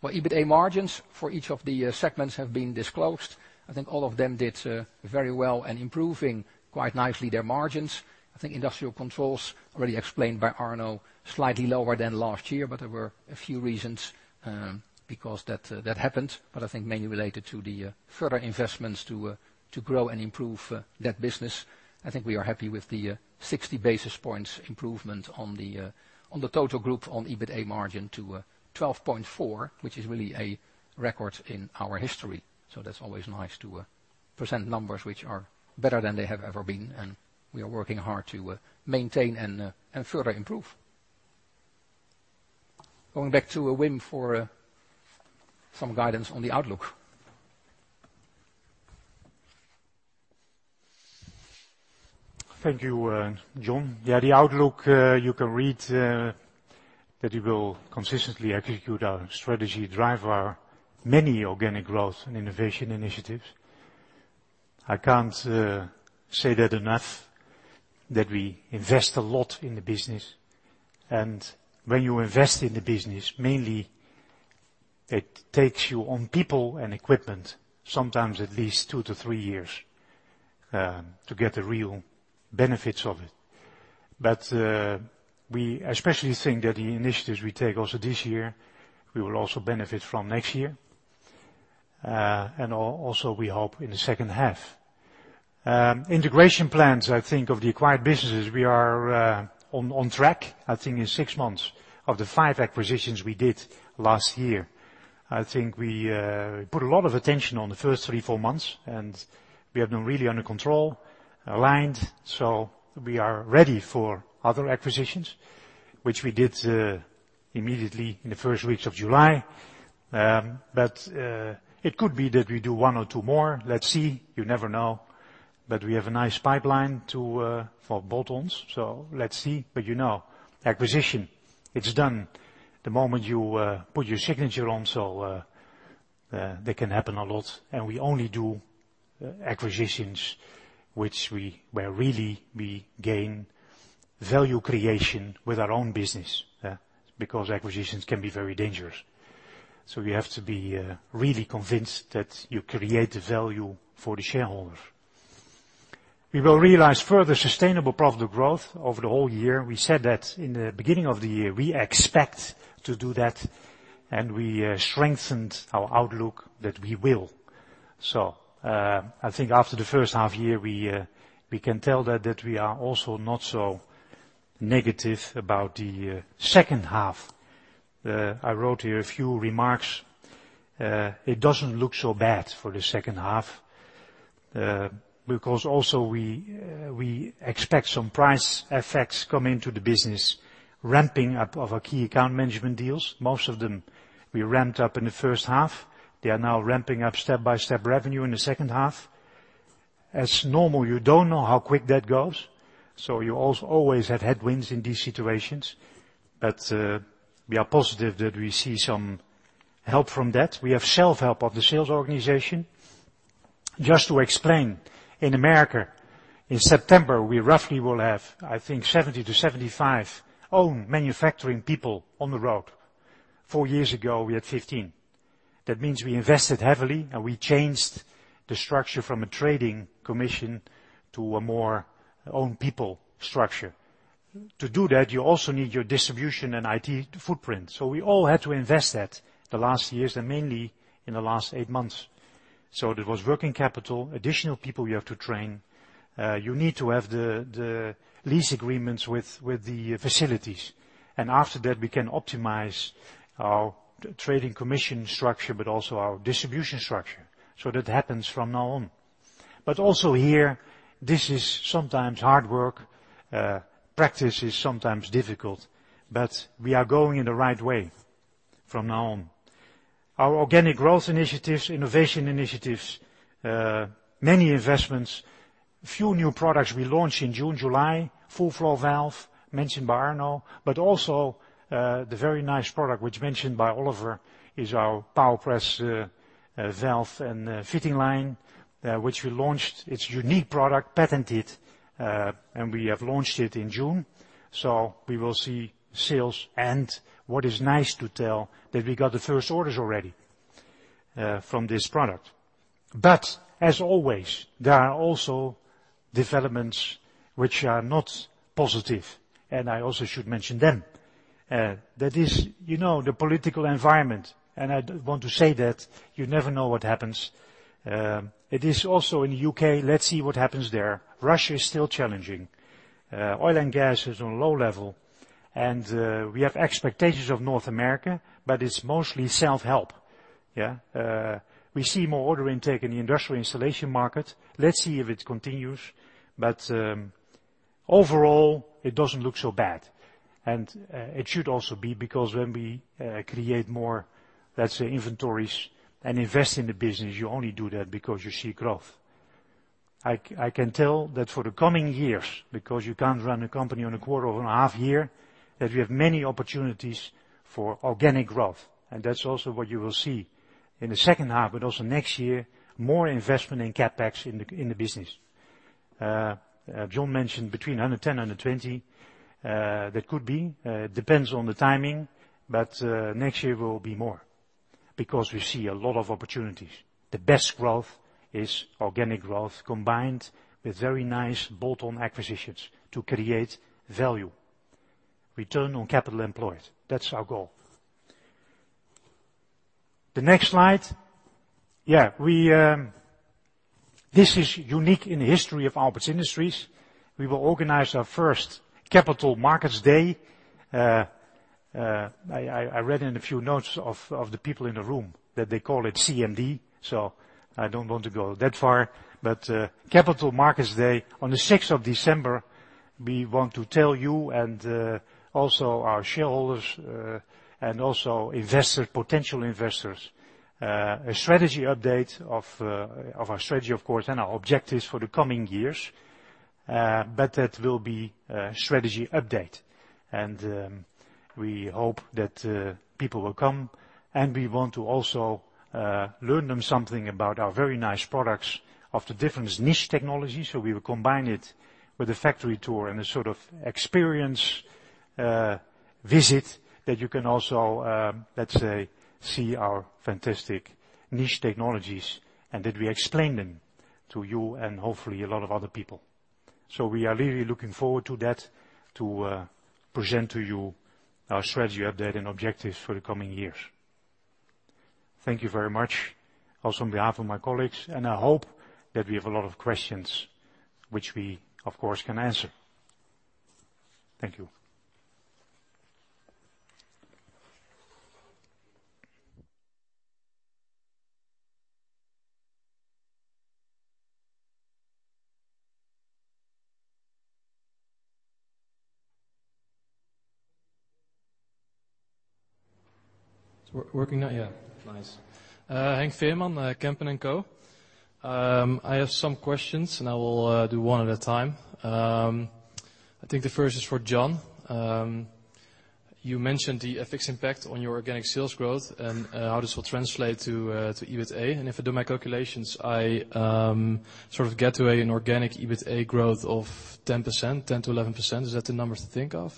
EBITA margins for each of the segments have been disclosed. I think all of them did very well and improving quite nicely their margins. I think Industrial Controls already explained by Arno, slightly lower than last year, there were a few reasons because that happened. I think mainly related to the further investments to grow and improve that business. I think we are happy with the 60 basis points improvement on the total group on EBITA margin to 12.4%, which is really a record in our history. That's always nice to present numbers which are better than they have ever been, and we are working hard to maintain and further improve. Going back to Wim for some guidance on the outlook. Thank you, John. The outlook, you can read that we will consistently execute our strategy, drive our many organic growth and innovation initiatives. I can't say that enough that we invest a lot in the business. When you invest in the business, mainly it takes you on people and equipment, sometimes at least two to three years, to get the real benefits of it. We especially think that the initiatives we take also this year, we will also benefit from next year. Also we hope in the second half. Integration plans, I think of the acquired businesses, we are on track. I think in six months of the five acquisitions we did last year. I think we put a lot of attention on the first three, four months, and we have been really under control, aligned. We are ready for other acquisitions, which we did immediately in the first weeks of July. It could be that we do one or two more. Let's see. You never know. We have a nice pipeline for add-ons. Let's see. Acquisition, it's done the moment you put your signature on, so they can happen a lot. We only do acquisitions where really we gain value creation with our own business because acquisitions can be very dangerous. You have to be really convinced that you create value for the shareholder. We will realize further sustainable profitable growth over the whole year. We said that in the beginning of the year, we expect to do that, and we strengthened our outlook that we will. I think after the first half year, we can tell that we are also not so negative about the second half. I wrote here a few remarks. It doesn't look so bad for the second half. Also we expect some price effects come into the business, ramping up of our key account management deals. Most of them we ramped up in the first half. They are now ramping up step-by-step revenue in the second half. As normal, you don't know how quick that goes, you always have headwinds in these situations. We are positive that we see some help from that. We have self-help of the sales organization. Just to explain, in America, in September, we roughly will have, I think, 70 to 75 own manufacturing people on the road. four years ago, we had 15. That means we invested heavily, we changed the structure from a trading commission to a more own people structure. To do that, you also need your distribution and IT footprint. We all had to invest that the last years and mainly in the last eight months. There was working capital, additional people you have to train. You need to have the lease agreements with the facilities. After that, we can optimize our trading commission structure, also our distribution structure. That happens from now on. Also here, this is sometimes hard work. Practice is sometimes difficult, we are going in the right way from now on. Our organic growth initiatives, innovation initiatives, many investments, few new products we launched in June, July. FullFlow valve mentioned by Arno, also the very nice product, which mentioned by Oliver, is our PowerPress valve and fitting line, which we launched. It's a unique product, patented, we have launched it in June. We will see sales and what is nice to tell that we got the first orders already from this product. As always, there are also developments which are not positive, I also should mention them. That is the political environment, I want to say that you never know what happens. It is also in the U.K. Let's see what happens there. Russia is still challenging. Oil and gas is on low level, we have expectations of North America, it's mostly self-help. We see more order intake in the industrial installation market. Let's see if it continues. Overall, it doesn't look so bad. It should also be because when we create more, let's say, inventories and invest in the business, you only do that because you see growth. I can tell that for the coming years, because you can't run a company on a quarter or on a half year, that we have many opportunities for organic growth. That's also what you will see in the second half, but also next year, more investment in CapEx in the business. John mentioned between 110 and 120. That could be. Depends on the timing. Next year will be more because we see a lot of opportunities. The best growth is organic growth combined with very nice bolt-on acquisitions to create value, return on capital employed. That's our goal. The next slide. This is unique in the history of Aalberts Industries. We will organize our first Capital Markets Day. I read in a few notes of the people in the room that they call it CMD. I don't want to go that far, but Capital Markets Day on the 6th of December, we want to tell you and also our shareholders, and also potential investors, a strategy update of our strategy, of course, and our objectives for the coming years. That will be a strategy update. We hope that people will come, and we want to also learn them something about our very nice products of the different niche technologies. We will combine it with a factory tour and a sort of experience visit that you can also, let's say, see our fantastic niche technologies and that we explain them to you and hopefully a lot of other people. We are really looking forward to that, to present to you our strategy update and objectives for the coming years. Thank you very much. Also on behalf of my colleagues. I hope that we have a lot of questions, which we, of course, can answer. Thank you. It's working now? Nice. Henk Veerman, Kempen & Co. I have some questions. I will do one at a time. I think the first is for John. You mentioned the FX impact on your organic sales growth and how this will translate to EBITDA. If I do my calculations, I sort of get to an organic EBITDA growth of 10%, 10%-11%. Is that the numbers to think of?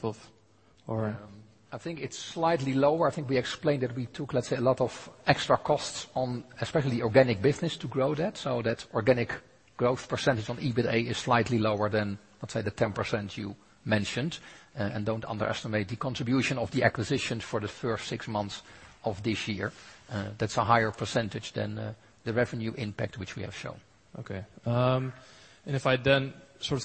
I think it's slightly lower. I think we explained that we took, let's say, a lot of extra costs on especially organic business to grow that. That organic growth percentage on EBITDA is slightly lower than, let's say, the 10% you mentioned. Don't underestimate the contribution of the acquisitions for the first six months of this year. That's a higher percentage than the revenue impact, which we have shown. Okay. If I then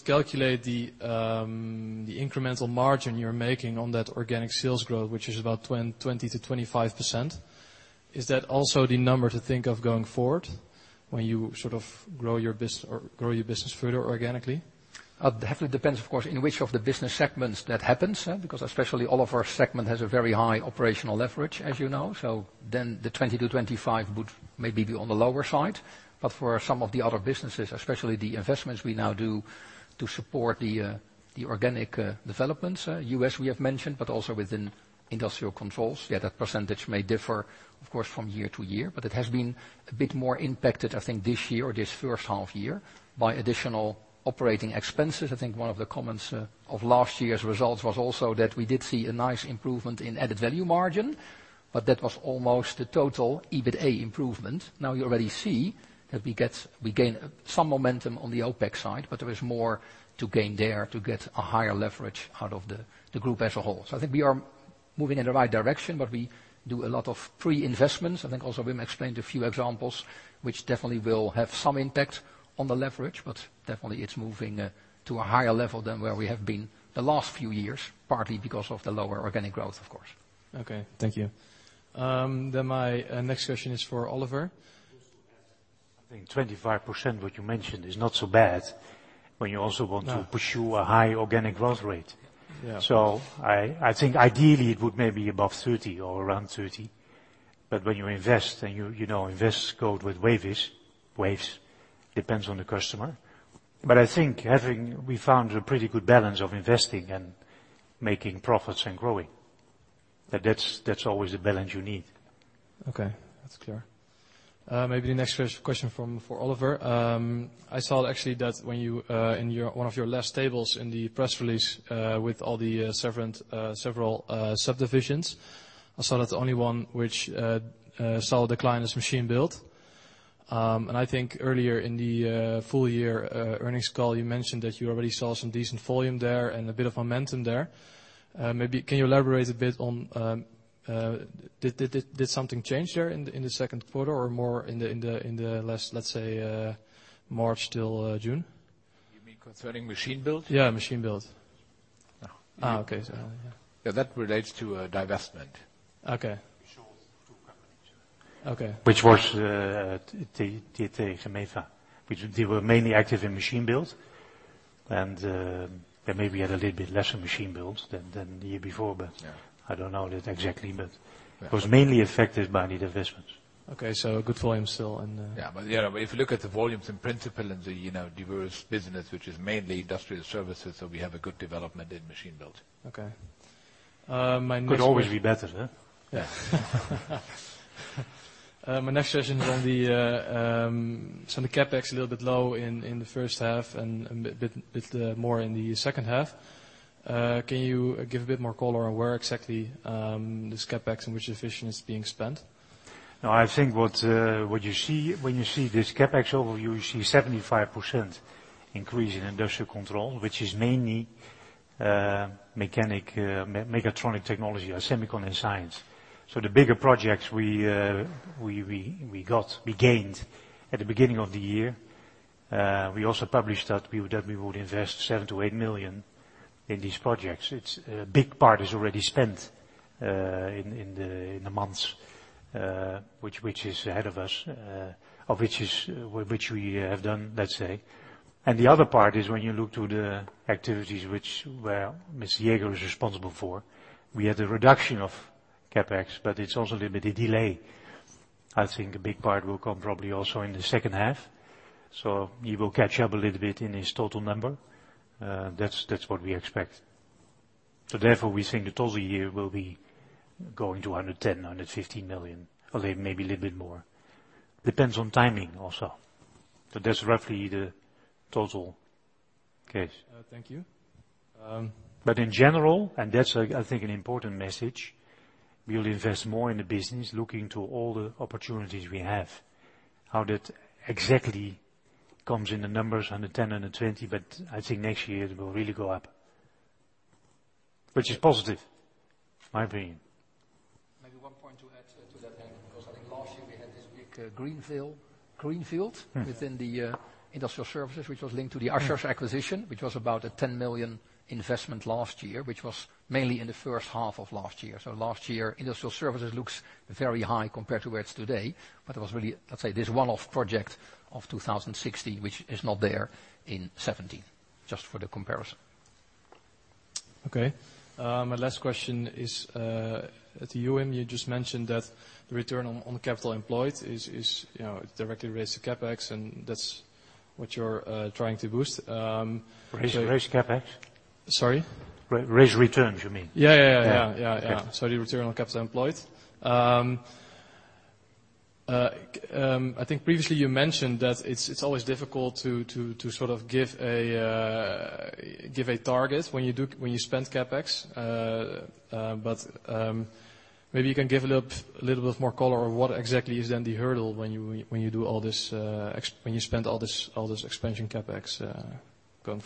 calculate the incremental margin you're making on that organic sales growth, which is about 20%-25%, is that also the number to think of going forward when you grow your business further organically? It heavily depends, of course, in which of the business segments that happens, because especially Oliver's segment has a very high operational leverage, as you know. Then the 20-25 would maybe be on the lower side, but for some of the other businesses, especially the investments we now do to support the organic developments. U.S., we have mentioned, but also within Industrial Controls, yet that percentage may differ, of course, from year to year. It has been a bit more impacted, I think, this year or this first half year, by additional operating expenses. I think one of the comments of last year's results was also that we did see a nice improvement in added value margin, but that was almost the total EBITA improvement. Now you already see that we gain some momentum on the OpEx side, there is more to gain there to get a higher leverage out of the group as a whole. I think we are moving in the right direction, we do a lot of pre-investments. I think also Wim explained a few examples, which definitely will have some impact on the leverage, definitely it's moving to a higher level than where we have been the last few years, partly because of the lower organic growth, of course. Okay, thank you. My next question is for Oliver. I think 25%, what you mentioned, is not so bad when you also want to pursue a high organic growth rate. Yeah. I think ideally it would maybe above 30 or around 30. When you invest, and you know invest goes with waves, depends on the customer. I think we found a pretty good balance of investing and making profits and growing. That's always a balance you need. Okay, that's clear. Maybe the next question for Oliver. I saw actually that in one of your last tables in the press release, with all the several subdivisions. I saw that the only one which saw a decline is machine build. I think earlier in the full year earnings call, you mentioned that you already saw some decent volume there and a bit of momentum there. Maybe can you elaborate a bit on, did something change there in the second quarter or more in the last, let's say, March till June? You mean concerning machine build? Yeah, machine build. No. Okay. That relates to a divestment. Okay. Which was TT Gemiva, which they were mainly active in machine build, and they maybe had a little bit less in machine build than the year before. Yeah I don't know that exactly, but it was mainly affected by the divestments. Okay, good volume still in the Yeah, if you look at the volumes in principle in the diverse business, which is mainly Industrial Services, we have a good development in machine build. Okay. Could always be better, huh? Yeah. My next question is on the CapEx a little bit low in the first half and a bit more in the second half. Can you give a bit more color on where exactly this CapEx in which division is being spent? I think what you see when you see this CapEx overview, you see 75% increase in Industrial Control, which is mainly mechatronic technology, our Semicon & Science. The bigger projects we got, we gained at the beginning of the year. We also published that we would invest seven million to 8 million in these projects. A big part is already spent in the months which is ahead of us, of which we have done, let's say. The other part is when you look to the activities where Mr. Jaeger is responsible for. We had a reduction of CapEx, it's also a little bit a delay. I think a big part will come probably also in the second half. He will catch up a little bit in his total number. That's what we expect. Therefore, we think the total year will be going to 110 million-115 million. Although maybe a little bit more. Depends on timing also. That's roughly the total case. Thank you. In general, and that's, I think, an important message, we will invest more in the business looking to all the opportunities we have. How that exactly comes in the numbers 110, 120, but I think next year it will really go up. Which is positive, in my opinion. Maybe one point to add to that, because I think last year we had this big greenfield within the Industrial Services, which was linked to the Ushers acquisition, which was about a 10 million investment last year. Which was mainly in the first half of last year. Last year, Industrial Services looks very high compared to where it's today. It was really, let's say, this one-off project of 2016, which is not there in 2017, just for the comparison. Okay. My last question is, to you Wim, you just mentioned that the return on capital employed is directly related to CapEx, and that's what you're trying to boost. Raise CapEx? Sorry? Raise returns, you mean? Yeah. Yeah. Sorry, return on capital employed. I think previously you mentioned that it's always difficult to give a target when you spend CapEx. Maybe you can give a little bit more color on what exactly is then the hurdle when you spend all this expansion CapEx? For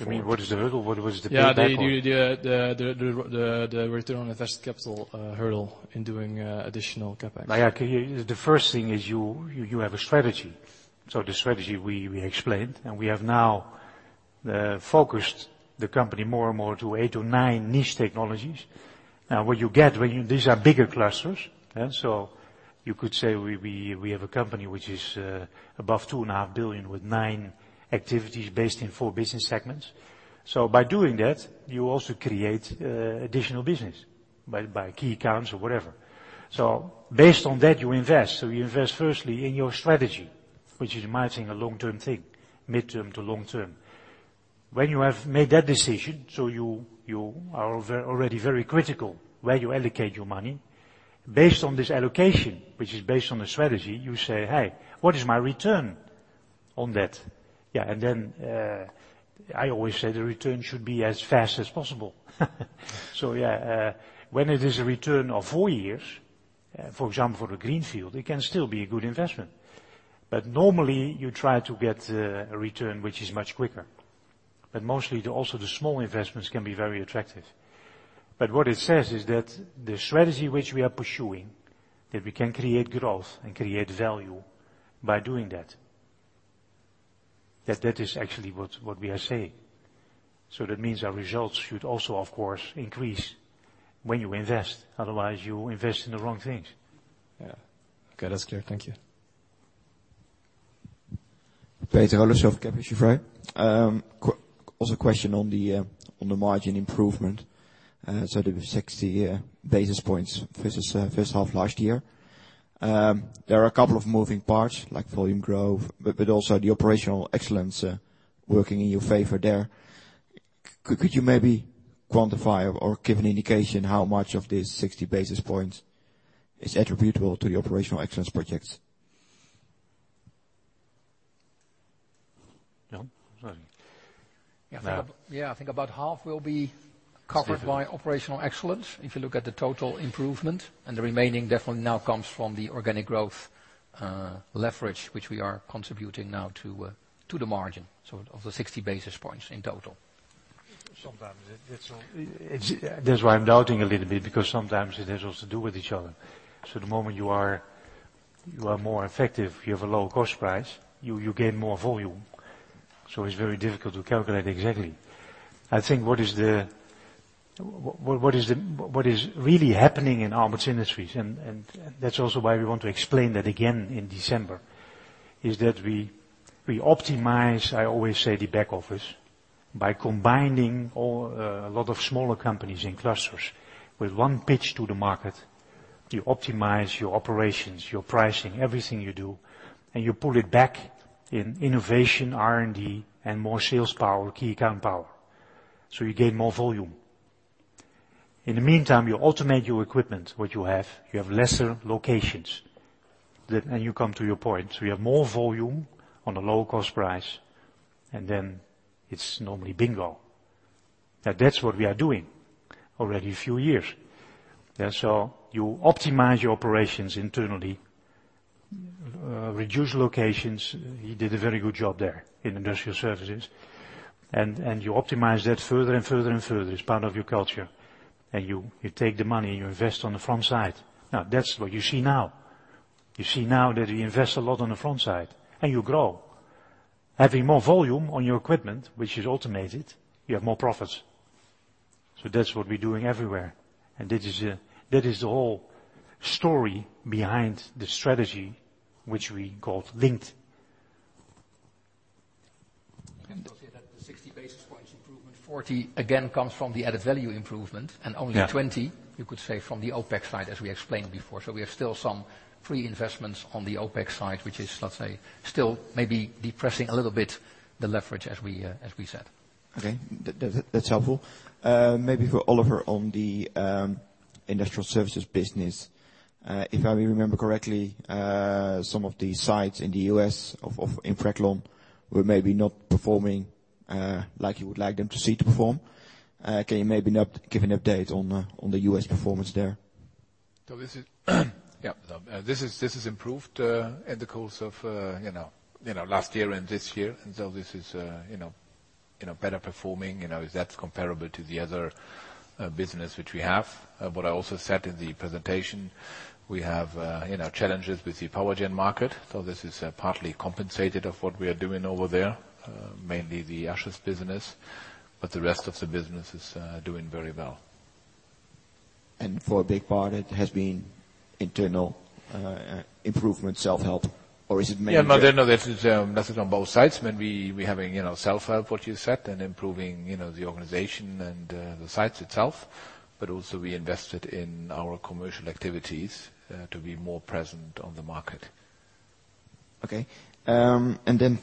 me, what is the hurdle? What is the pay back on? Yeah, the return on invested capital hurdle in doing additional CapEx. The first thing is you have a strategy. The strategy we explained, and we have now focused the company more and more to eight or nine niche technologies. What you get, these are bigger clusters. You could say we have a company which is above 2.5 billion with nine activities based in four business segments. By doing that, you also create additional business by key accounts or whatever. Based on that, you invest. You invest firstly in your strategy, which might seem a long-term thing, mid-term to long-term. When you have made that decision, you are already very critical where you allocate your money. Based on this allocation, which is based on the strategy, you say, "Hey, what is my return on that?" Yeah. I always say the return should be as fast as possible. When it is a return of four years, for example, for a greenfield, it can still be a good investment. Normally you try to get a return which is much quicker. Mostly, also the small investments can be very attractive. What it says is that the strategy which we are pursuing, that we can create growth and create value by doing that. That is actually what we are saying. That means our results should also, of course, increase when you invest. Otherwise you invest in the wrong things. Okay, that's clear. Thank you. Peter Yeah. Question on the margin improvement. The 60 basis points versus first half last year. There are a couple of moving parts, like volume growth, but also the operational excellence working in your favor there. Could you maybe quantify or give an indication how much of this 60 basis points is attributable to the operational excellence projects? John? Sorry. I think about half will be covered by operational excellence if you look at the total improvement. The remaining definitely now comes from the organic growth leverage, which we are contributing now to the margin, of the 60 basis points in total. Sometimes that's all. That's why I'm doubting a little bit, because sometimes it has also to do with each other. The moment you are more effective, you have a lower cost price, you gain more volume. It's very difficult to calculate exactly. I think what is really happening in Aalberts Industries, and that's also why we want to explain that again in December, is that we optimize, I always say, the back office by combining a lot of smaller companies in clusters with one pitch to the market. You optimize your operations, your pricing, everything you do, and you pull it back in innovation, R&D, and more sales power, key account power. You gain more volume. In the meantime, you automate your equipment, what you have. You have lesser locations. You come to your point. You have more volume on a low cost price, then it is normally bingo. That is what we are doing already a few years. You optimize your operations internally, reduce locations. He did a very good job there in Industrial Services. You optimize that further and further and further. It is part of your culture. You take the money and you invest on the front side. That is what you see now. You see now that we invest a lot on the front side, and you grow. Having more volume on your equipment, which is automated, you have more profits. That is what we are doing everywhere. That is the whole story behind the strategy, which we called Linked. You can still say that the 60 basis points improvement, 40, again, comes from the added value improvement, only Yeah 20 you could say from the OpEx side, as we explained before. We have still some pre-investments on the OpEx side, which is, let us say, still may be depressing a little bit the leverage as we said. Okay. That is helpful. Maybe for Oliver on the Industrial Services business. If I remember correctly, some of the sites in the U.S. of Impreglon were maybe not performing like you would like them to see to perform. Can you maybe give an update on the U.S. performance there? This is improved in the course of last year and this year. This is better performing, that is comparable to the other business which we have. I also said in the presentation, we have challenges with the power generation market. This is partly compensated of what we are doing over there, mainly the Ushers business. The rest of the business is doing very well. For a big part, it has been internal improvement, self-help, or is it mainly? That is on both sides. When we're having self-help, what you said, and improving the organization and the sites itself, we invested in our commercial activities to be more present on the market.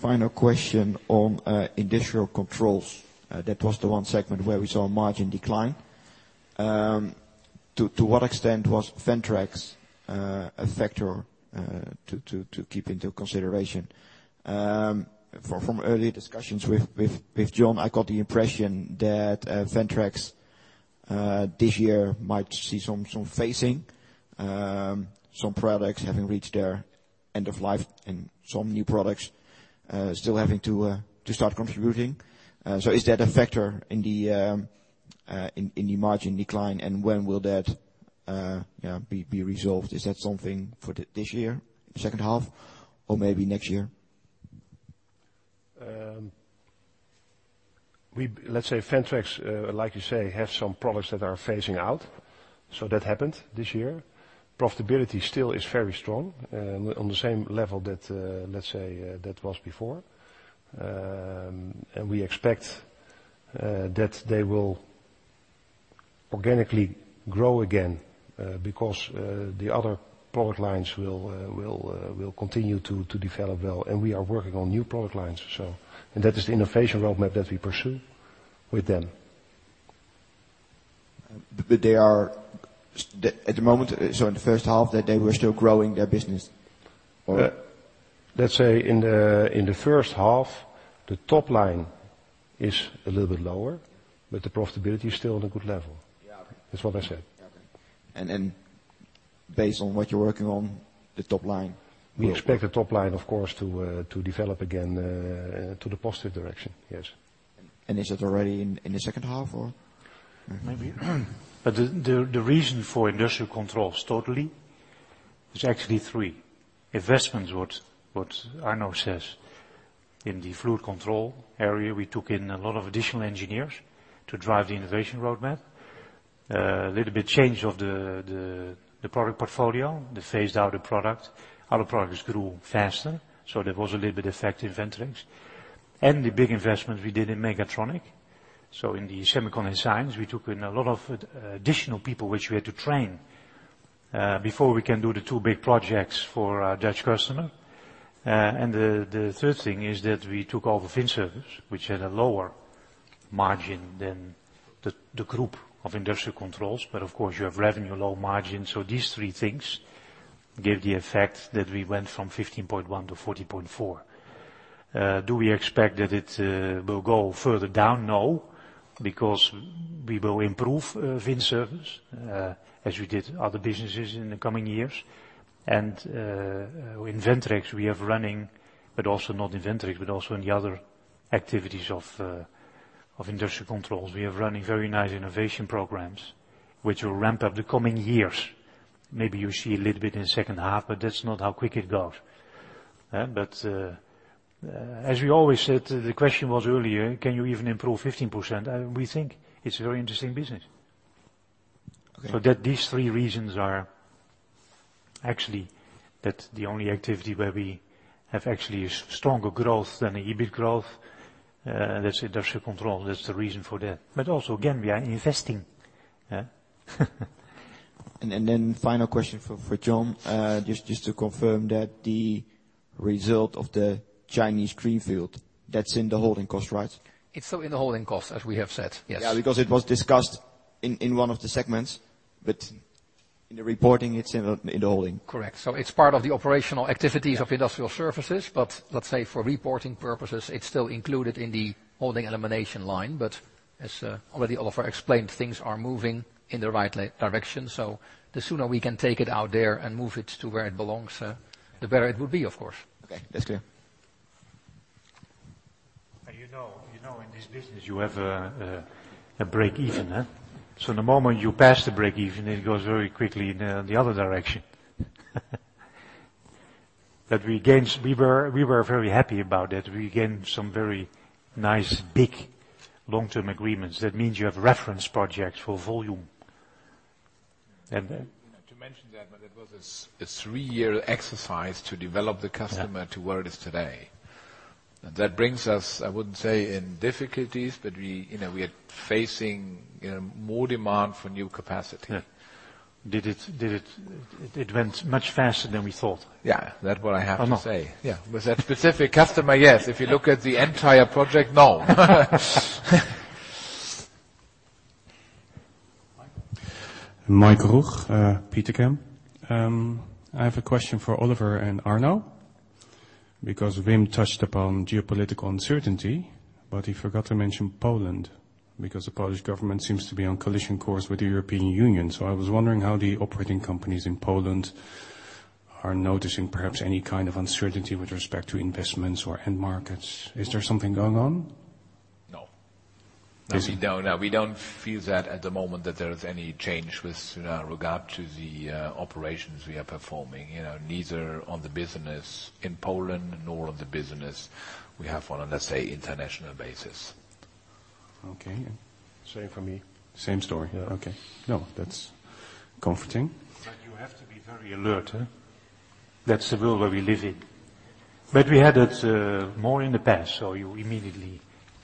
Final question on Industrial Controls. That was the one segment where we saw margin decline. To what extent was Ventrex a factor to keep into consideration? From early discussions with John, I got the impression that Ventrex's this year might see some phasing. Some products having reached their end of life and some new products still having to start contributing. Is that a factor in the margin decline, and when will that be resolved? Is that something for this year, second half, or maybe next year? Let's say Ventrex, like you say, have some products that are phasing out. That happened this year. Profitability still is very strong on the same level that, let's say, that was before. We expect that they will organically grow again because the other product lines will continue to develop well. We are working on new product lines. That is the innovation roadmap that we pursue with them. They are at the moment, so in the first half, that they were still growing their business or? Let's say in the first half, the top line is a little bit lower. The profitability is still at a good level. Yeah. Okay. That's what I said. Okay. Based on what you're working on the top line. We expect the top line, of course, to develop again to the positive direction. Yes. Is it already in the second half or maybe? The reason for Industrial Controls totally is actually 3. Investments, what Arno says. In the Fluid Control area, we took in a lot of additional engineers to drive the innovation roadmap. A little bit change of the product portfolio, they phased out a product. Other products grew faster, that was a little bit effect in Ventrex. The big investment we did in Mechatronic. In the Semicon & Science, we took in a lot of additional people, which we had to train, before we can do the 2 big projects for a Dutch customer. The third thing is that we took over Vin Service, which had a lower margin than the group of Industrial Controls. Of course, you have revenue, low margin. These 3 things gave the effect that we went from 15.1% to 14.4%. Do we expect that it will go further down? No, because we will improve Vin Service, as we did other businesses in the coming years. In Ventrex, we have running, not in Ventrex, but also in the other activities of Industrial Controls. We are running very nice innovation programs, which will ramp up the coming years. Maybe you see a little bit in the second half, but that's not how quick it goes. As we always said, the question was earlier, can you even improve 15%? We think it's a very interesting business. Okay. These 3 reasons are actually, that the only activity where we have actually stronger growth than the EBIT growth, that's Industrial Controls. That's the reason for that. Also, again, we are investing. Final question for John, just to confirm that the result of the Chinese greenfield, that's in the holding cost, right? It's still in the holding cost, as we have said, yes. Yeah, because it was discussed in one of the segments, but in the reporting it's in the holding. Correct. It's part of the operational activities of Industrial Services. Let's say for reporting purposes, it's still included in the holding elimination line. As already Oliver explained, things are moving in the right direction. The sooner we can take it out there and move it to where it belongs, the better it will be, of course. Okay, that's clear. You know in this business you have a break even. The moment you pass the break even, it goes very quickly in the other direction. That we gained, we were very happy about that. We gained some very nice, big long-term agreements. That means you have reference projects for volume. To mention that, but that was a three-year exercise to develop the customer to where it is today. That brings us, I wouldn't say, in difficulties, but we are facing more demand for new capacity. Yeah. It went much faster than we thought. Yeah. That what I have to say. Yeah. With that specific customer, yes. If you look at the entire project, no. Mike. Mike Rausch, Petercam. I have a question for Oliver and Arno, because Wim touched upon geopolitical uncertainty, but he forgot to mention Poland because the Polish government seems to be on collision course with the European Union. I was wondering how the operating companies in Poland are noticing perhaps any kind of uncertainty with respect to investments or end markets. Is there something going on? No. Is it- No, we don't feel that at the moment that there's any change with regard to the operations we are performing. Neither on the business in Poland nor on the business we have on, let's say, international basis. Okay. Same for me. Same story? Yeah. Okay. No, that's comforting. You have to be very alert. That's the world where we live in. We had it more in the past.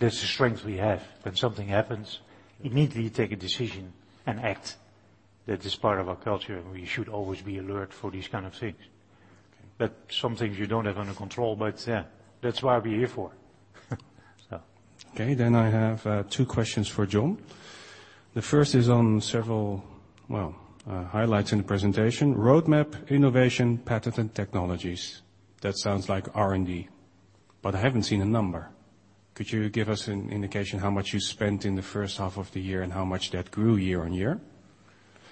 That's the strength we have. When something happens, immediately take a decision and act. That is part of our culture, and we should always be alert for these kind of things. Okay. Some things you don't have under control. Yeah, that's why we're here for. Okay, I have two questions for John Eijgendaal. The first is on several, well, highlights in the presentation. Roadmap, innovation, patent, and technologies. That sounds like R&D. I haven't seen a number. Could you give us an indication how much you spent in the first half of the year, and how much that grew year-on-year?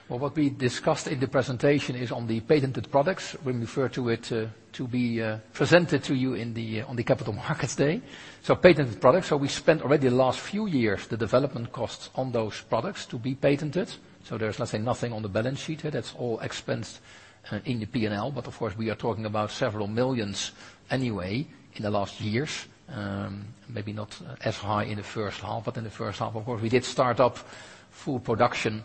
Well, what we discussed in the presentation is on the patented products. We refer to it to be presented to you on the Capital Markets Day. Patented products. We spent already the last few years the development costs on those products to be patented. There's, let's say, nothing on the balance sheet here. That's all expensed in the P&L. Of course, we are talking about several million EUR anyway in the last years. Maybe not as high in the first half, but in the first half, of course, we did start up full production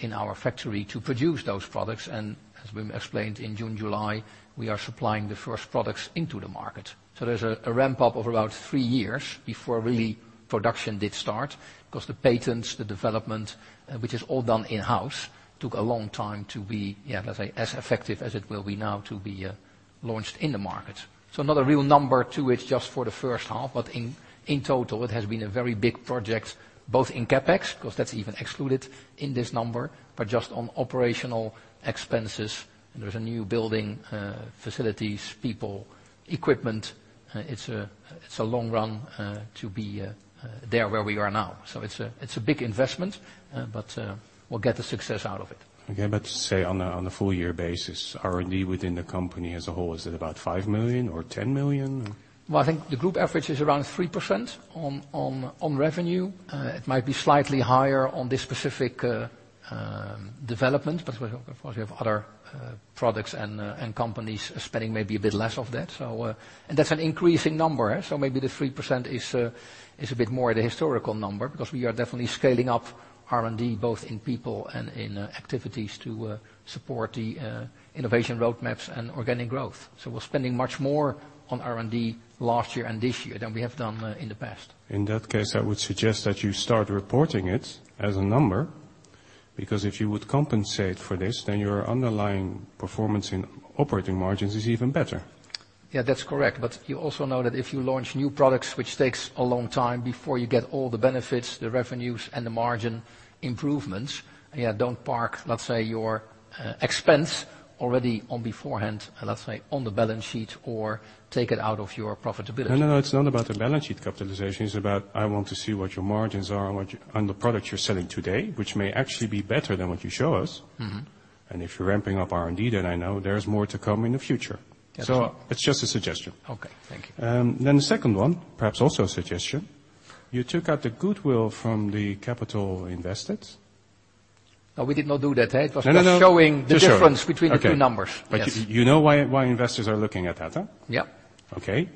in our factory to produce those products. And as Wim Pelsma explained in June, July, we are supplying the first products into the market. There's a ramp up of about three years before really production did start because the patents, the development, which is all done in-house, took a long time to be, let's say, as effective as it will be now to be launched in the market. Not a real number to it just for the first half, but in total it has been a very big project, both in CapEx, because that's even excluded in this number, but just on operational expenses. There's a new building, facilities, people, equipment. It's a long run to be there where we are now. It's a big investment. We'll get the success out of it. Okay. Say on a full year basis, R&D within the company as a whole, is it about 5 million or 10 million? Well, I think the group average is around 3% on revenue. It might be slightly higher on this specific development, of course, we have other products and companies spending maybe a bit less of that. That's an increasing number. Maybe the 3% is a bit more the historical number, because we are definitely scaling up R&D, both in people and in activities to support the innovation roadmaps and organic growth. We're spending much more on R&D last year and this year than we have done in the past. In that case, I would suggest that you start reporting it as a number, because if you would compensate for this, then your underlying performance in operating margins is even better. Yeah. That's correct. You also know that if you launch new products, which takes a long time before you get all the benefits, the revenues, and the margin improvements, don't park, let's say, your expense already on beforehand and let's say on the balance sheet or take it out of your profitability. No, no, it's not about the balance sheet capitalization. It's about, I want to see what your margins are on the product you're selling today, which may actually be better than what you show us. If you're ramping up R&D, then I know there's more to come in the future. Yes. It's just a suggestion. Okay. Thank you. The second one, perhaps also a suggestion. You took out the goodwill from the capital invested. No, we did not do that. No, no. It was showing the difference between the two numbers. Yes. You know why investors are looking at that? Yeah. Okay.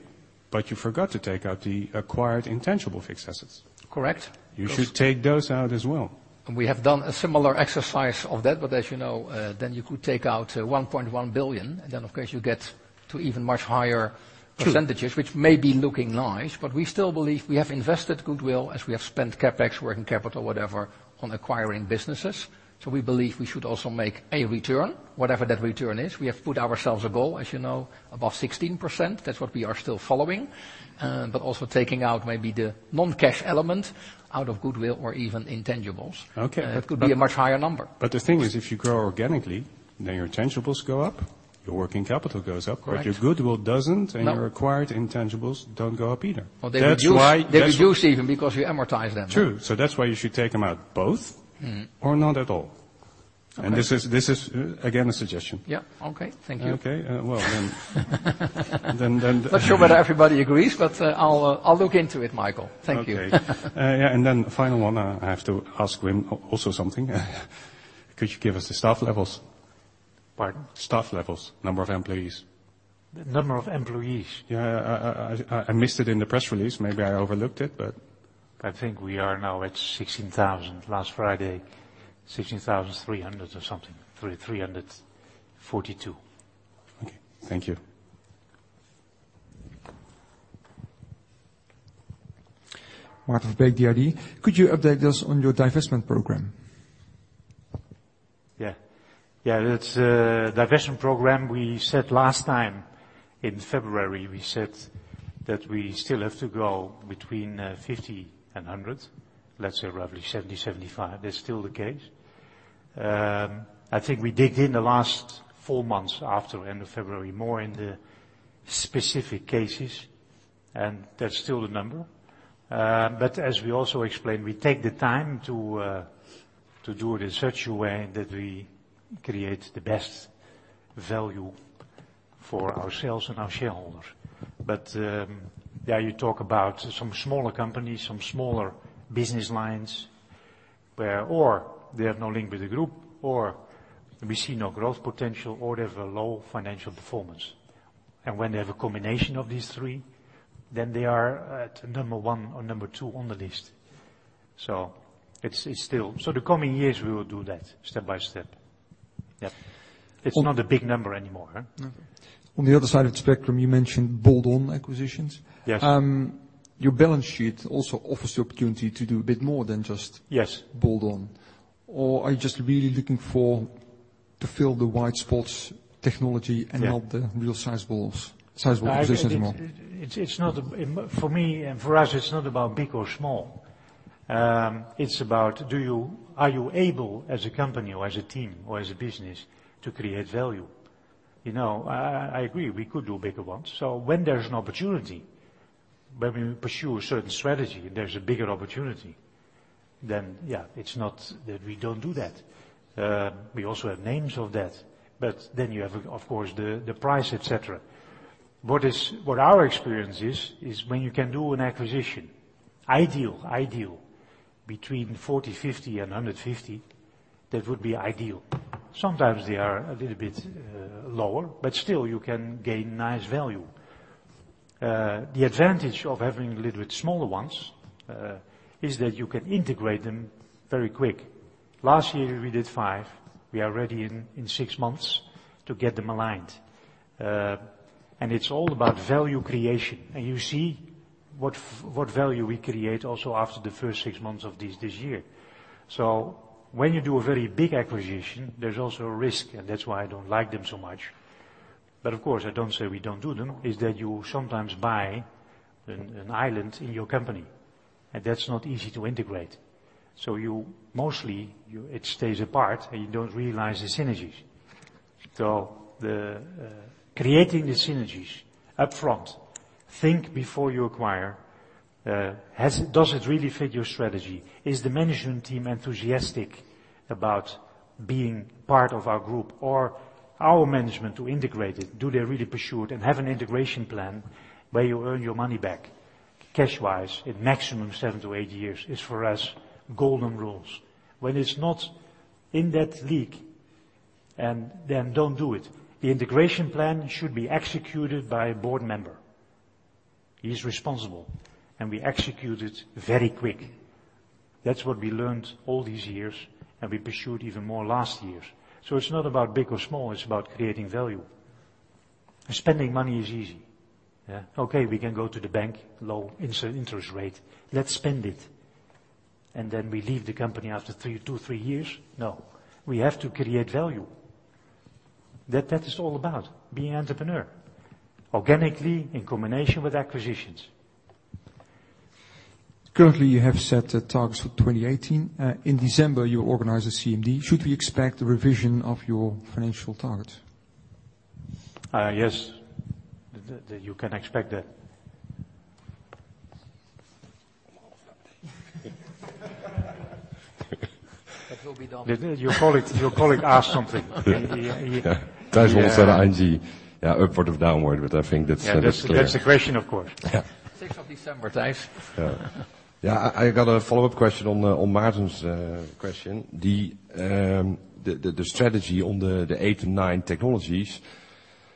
You forgot to take out the acquired intangible fixed assets. Correct. You should take those out as well. We have done a similar exercise of that. As you know, then you could take out 1.1 billion, and then of course you get to even much higher percentages. True which may be looking nice, but we still believe we have invested goodwill as we have spent CapEx, working capital, whatever, on acquiring businesses. We believe we should also make a return, whatever that return is. We have put ourselves a goal, as you know, above 16%. That's what we are still following. Also taking out maybe the non-cash element out of goodwill or even intangibles. Okay. It could be a much higher number. The thing is, if you grow organically, then your intangibles go up, your working capital goes up. Correct Your goodwill doesn't. No Your acquired intangibles don't go up either. They reduce even because you amortize them. True. That's why you should take them out both or not at all. Okay. This is again, a suggestion. Yeah. Okay. Thank you. Okay. Well. Not sure whether everybody agrees, but I'll look into it, Michael. Thank you. Okay. Final one, I have to ask Wim also something. Could you give us the staff levels? Pardon? Staff levels. Number of employees. Number of employees? Yeah. I missed it in the press release. Maybe I overlooked it. I think we are now at 16,000. Last Friday, 16,342. Okay. Thank you. Martijn van Beek, DRD. Could you update us on your divestment program? Yeah. That divestment program we said last time in February, we said that we still have to go between 50 and 100, let's say roughly 70, 75. That's still the case. I think we digged in the last four months after end of February, more in the specific cases, and that's still the number. As we also explained, we take the time to do it in such a way that we create the best value for ourselves and our shareholders. Yeah, you talk about some smaller companies, some smaller business lines where or they have no link with the group or we see no growth potential or they have a low financial performance. When they have a combination of these three, then they are at number 1 or number 2 on the list. The coming years we will do that step by step. Yep. It's not a big number anymore, huh? No. On the other side of the spectrum, you mentioned bolt-on acquisitions. Yes. Your balance sheet also offers the opportunity to do a bit more than. Yes bolt on. Are you just really looking to fill the white spots technology and not the real sizable positions more? For me and for us, it's not about big or small. It's about are you able as a company, or as a team, or as a business, to create value? I agree, we could do bigger ones. When there's an opportunity, when we pursue a certain strategy and there's a bigger opportunity, it's not that we don't do that. We also have names of that. You have, of course, the price, et cetera. What our experience is when you can do an acquisition, ideal between 40, 50 and 150, that would be ideal. Sometimes they are a little bit lower, still you can gain nice value. The advantage of having little bit smaller ones, is that you can integrate them very quick. Last year we did five. We are ready in six months to get them aligned. It's all about value creation. You see what value we create also after the first six months of this year. When you do a very big acquisition, there's also a risk, that's why I don't like them so much. I don't say we don't do them, is that you sometimes buy an island in your company, that's not easy to integrate. Mostly, it stays apart you don't realize the synergies. Creating the synergies up front, think before you acquire, does it really fit your strategy? Is the management team enthusiastic about being part of our group or our management to integrate it? Do they really pursue it and have an integration plan where you earn your money back cash-wise in maximum seven to eight years, is for us, golden rules. When it's not in that league, don't do it. The integration plan should be executed by a board member. He's responsible, we execute it very quick. That's what we learned all these years, we pursued even more last years. It's not about big or small, it's about creating value. Spending money is easy. We can go to the bank, low interest rate, let's spend it, we leave the company after two, three years. No, we have to create value. That is all about being entrepreneur, organically in combination with acquisitions. Currently, you have set the targets for 2018. In December, you organize a CMD. Should we expect a revision of your financial targets? Yes. You can expect that. It will be done. Your colleague asked something. Yeah. Thijs wants to know, [Angie], upward or downward, but I think that's clear. That's the question, of course. Yeah. 6th of December, Thijs. Yeah. Yeah. I got a follow-up question on Martijn's question. The strategy on the eight to nine technologies.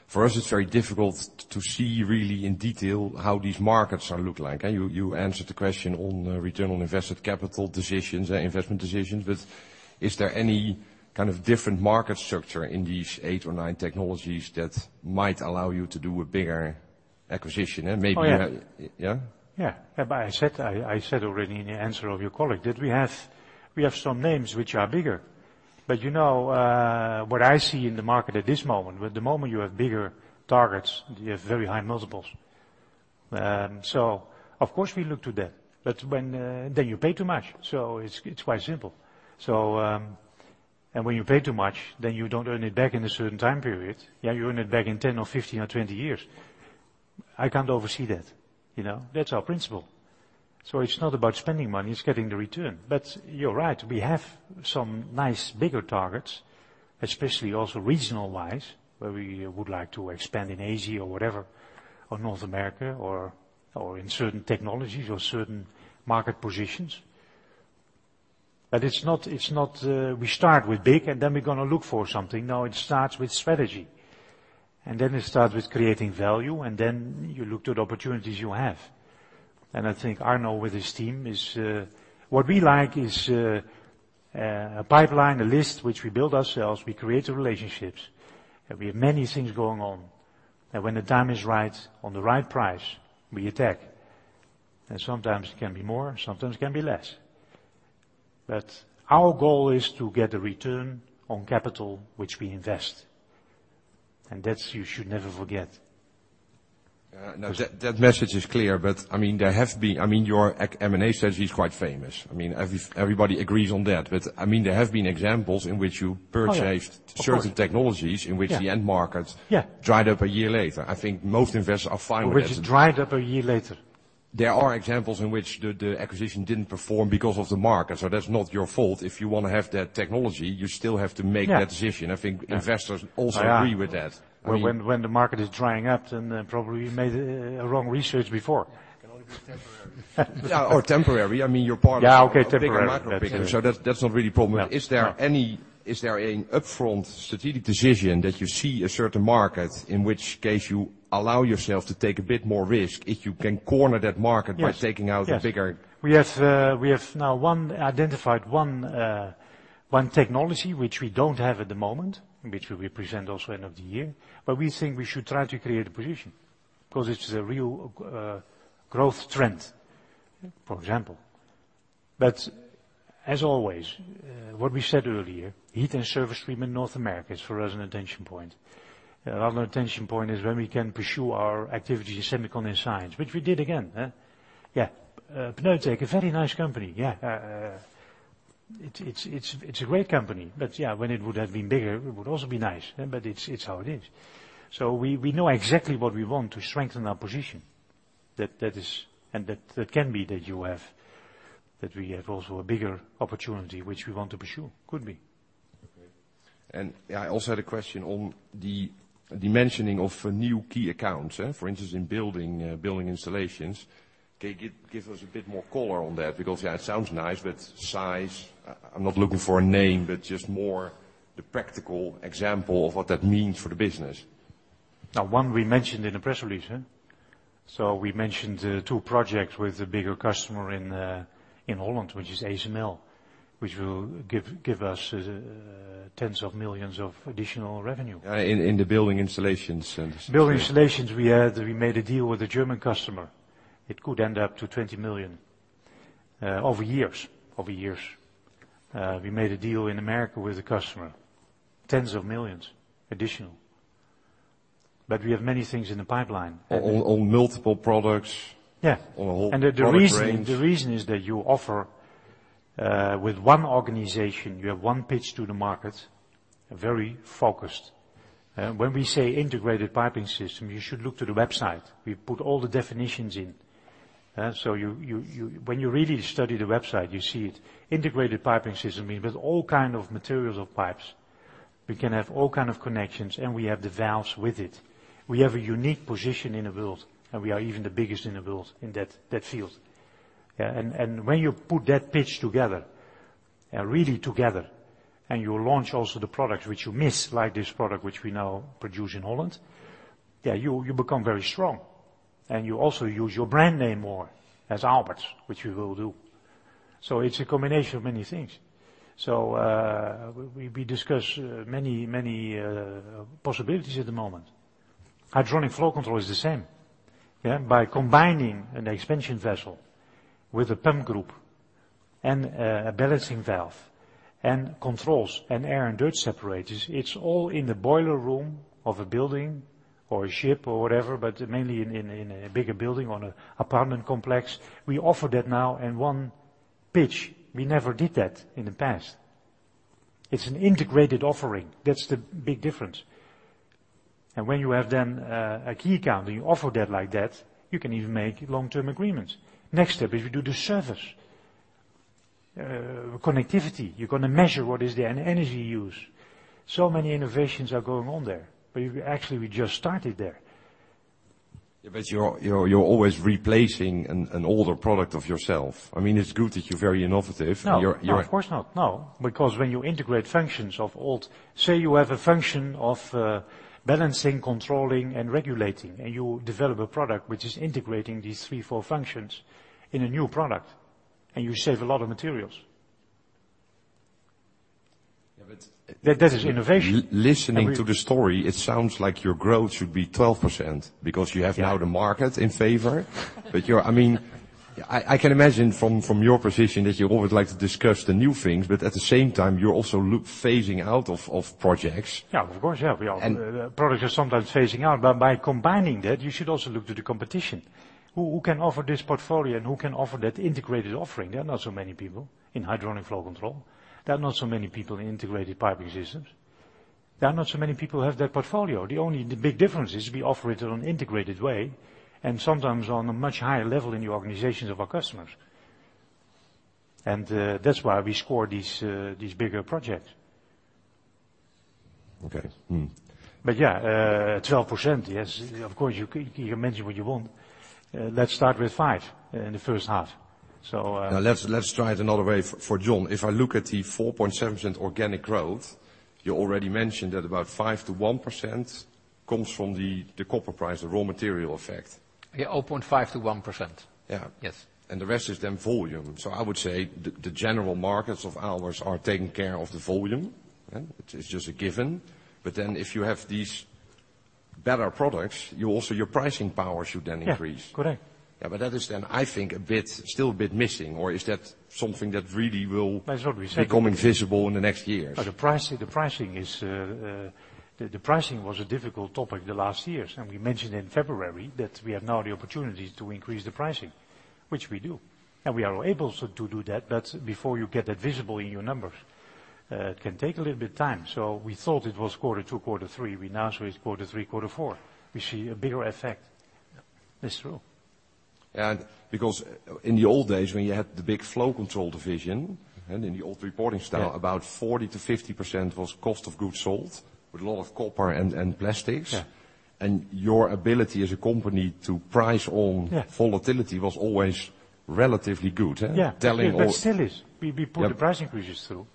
For us, it's very difficult to see really in detail how these markets look like. You answered the question on return on invested capital decisions, investment decisions, but is there any kind of different market structure in these eight or nine technologies that might allow you to do a bigger acquisition and maybe Oh, yeah. Yeah? Yeah. I said already in the answer of your colleague that we have some names which are bigger. What I see in the market at this moment, with the moment you have bigger targets, you have very high multiples. Of course, we look to that. Then you pay too much. It's quite simple. When you pay too much, then you don't earn it back in a certain time period. You earn it back in 10 or 15 or 20 years. I can't oversee that. That's our principle. It's not about spending money, it's getting the return. You're right, we have some nice bigger targets, especially also regional wise, where we would like to expand in Asia or whatever, or North America or in certain technologies or certain market positions. It's not we start with big then we're going to look for something. No, it starts with strategy. It starts with creating value, then you look to the opportunities you have. I think Arno with his team is What we like is a pipeline, a list which we build ourselves. We create the relationships, we have many things going on. When the time is right on the right price, we attack, sometimes it can be more, sometimes it can be less. Our goal is to get a return on capital which we invest, that you should never forget. Yeah. No, that message is clear. Your M&A strategy is quite famous. Everybody agrees on that. There have been examples in which you purchased- Oh, yeah. Of course certain technologies in which the end market- Yeah dried up a year later. I think most investors are fine with it. Which has dried up a year later. There are examples in which the acquisition didn't perform because of the market. That's not your fault. If you want to have that technology, you still have to make that decision. Yeah. I think investors also agree with that. I mean. When the market is drying up, probably you made a wrong research before. It can only be temporary. Yeah. temporary. Yeah. Okay. Temporary. a bigger macro picture, that's not really a problem. No. Is there an upfront strategic decision that you see a certain market, in which case you allow yourself to take a bit more risk if you can corner that market? Yes. We have now identified one technology which we don't have at the moment, which we present also end of the year. We think we should try to create a position because it's a real growth trend, for example. As always, what we said earlier, heat and surface treatment North America is, for us, an attention point. Another attention point is when we can pursue our activities, Semicon & Science, which we did again. Yeah. Pneutec, a very nice company. Yeah. It's a great company, but when it would have been bigger, it would also be nice. It's how it is. We know exactly what we want to strengthen our position. That is, and that can be that we have also a bigger opportunity, which we want to pursue. Could be. Okay. I also had a question on the mentioning of new key accounts, for instance, in building installations. Can you give us a bit more color on that? Because yeah, it sounds nice, but size, I'm not looking for a name, but just more the practical example of what that means for the business. Now, one we mentioned in the press release. We mentioned two projects with a bigger customer in Holland, which is ASML, which will give us tens of millions of additional revenue. In the building installations Building installations, we made a deal with a German customer. It could end up to 20 million, over years. We made a deal in America with a customer. Tens of millions EUR additional. We have many things in the pipeline. On multiple products Yeah on a whole product range. The reason is that you offer, with one organization, you have one pitch to the market, very focused. When we say Integrated Piping System, you should look to the website. We put all the definitions in. When you really study the website, you see it. Integrated Piping System means with all kind of materials of pipes, we can have all kind of connections, and we have the valves with it. We have a unique position in the world, and we are even the biggest in the world in that field. Yeah. When you put that pitch together, really together, and you launch also the products which you miss, like this product which we now produce in Holland, you become very strong. You also use your brand name more as Aalberts, which we will do. It's a combination of many things. We discuss many possibilities at the moment. Hydronic Flow Control is the same. Yeah? By combining an expansion vessel with a pump group and a balancing valve and controls and air and dirt separators, it's all in the boiler room of a building or a ship or whatever, but mainly in a bigger building or an apartment complex. We offer that now in one pitch. We never did that in the past. It's an integrated offering. That's the big difference. When you have then a key account and you offer that like that, you can even make long-term agreements. Next step is you do the service. Connectivity. You're going to measure what is their energy use. Many innovations are going on there, but actually we just started there. You're always replacing an older product of yourself. It's good that you're very innovative. Of course not. Because when you integrate functions of old, say, you have a function of balancing, controlling, and regulating, and you develop a product which is integrating these three, four functions in a new product, you save a lot of materials. Yeah. That is innovation. listening to the story, it sounds like your growth should be 12% because you have now the market in favor. I can imagine from your position that you always like to discuss the new things, but at the same time, you're also phasing out of projects. Yeah, of course. Yeah, we are. And- Products are sometimes phasing out. By combining that, you should also look to the competition. Who can offer this portfolio and who can offer that integrated offering? There are not so many people in Hydronic Flow Control. There are not so many people in Integrated Piping Systems. There are not so many people who have that portfolio. The big difference is we offer it in an integrated way and sometimes on a much higher level in the organizations of our customers. That's why we score these bigger projects. Okay. Yeah, 12%, yes, of course, you can mention what you want. Let's start with five in the first half. Let's try it another way for John. If I look at the 4.7% organic growth, you already mentioned that about 5%-1% comes from the copper price, the raw material effect. Yeah, 0.5%-1%. Yeah. Yes. The rest is then volume. I would say the general markets of ours are taking care of the volume, yeah? It is just a given. If you have these better products, you also, your pricing power should then increase. Yeah. Correct. Yeah, that is then I think a bit, still a bit missing or is that something that really will? That's what we said become visible in the next years? The pricing was a difficult topic the last years, and we mentioned in February that we have now the opportunity to increase the pricing, which we do. We are able to do that, but before you get that visible in your numbers, it can take a little bit of time. We thought it was quarter two, quarter three. We now see it's quarter three, quarter four. We see a bigger effect. That's true. Because in the old days, when you had the big flow control division, yeah, in the old reporting style. Yeah About 40%-50% was cost of goods sold with a lot of copper and plastics. Yeah. Your ability as a company to price on- Yeah Volatility was always relatively good. Yeah. Telling all- Still is. We put the price increases through.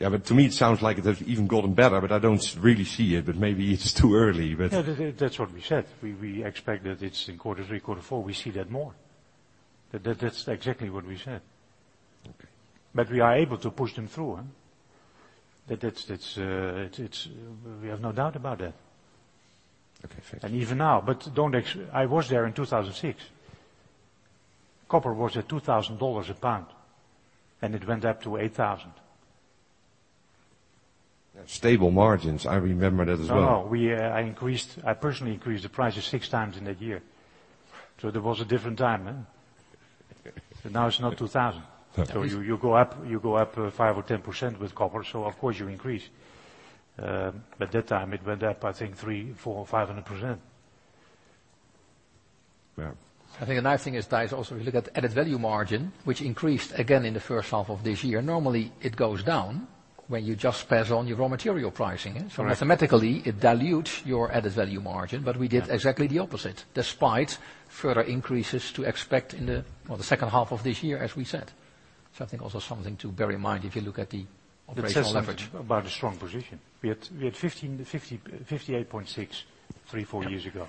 Yeah, to me it sounds like it has even gotten better, but I don't really see it, but maybe it's too early. Yeah. That's what we said. We expect that it's in quarter three, quarter four, we see that more. That's exactly what we said. Okay. We are able to push them through. We have no doubt about that. Okay, fair. Even now, I was there in 2006. Copper was at EUR 2,000 a pound, and it went up to 8,000. Stable margins, I remember that as well. No, I personally increased the prices six times in that year. That was a different time. Now it's not 2,000. Okay. You go up 5% or 10% with copper, of course you increase. That time it went up, I think 300%, 400%, or 500%. Yeah. I think a nice thing is, Thijs, also if you look at added value margin, which increased again in the first half of this year. Normally it goes down when you just pass on your raw material pricing. Right. Mathematically it dilutes your added value margin, but we did exactly the opposite, despite further increases to expect in the second half of this year, as we said. I think also something to bear in mind if you look at the operational leverage. It says a lot about a strong position. We had 58.6% 3-4 years ago,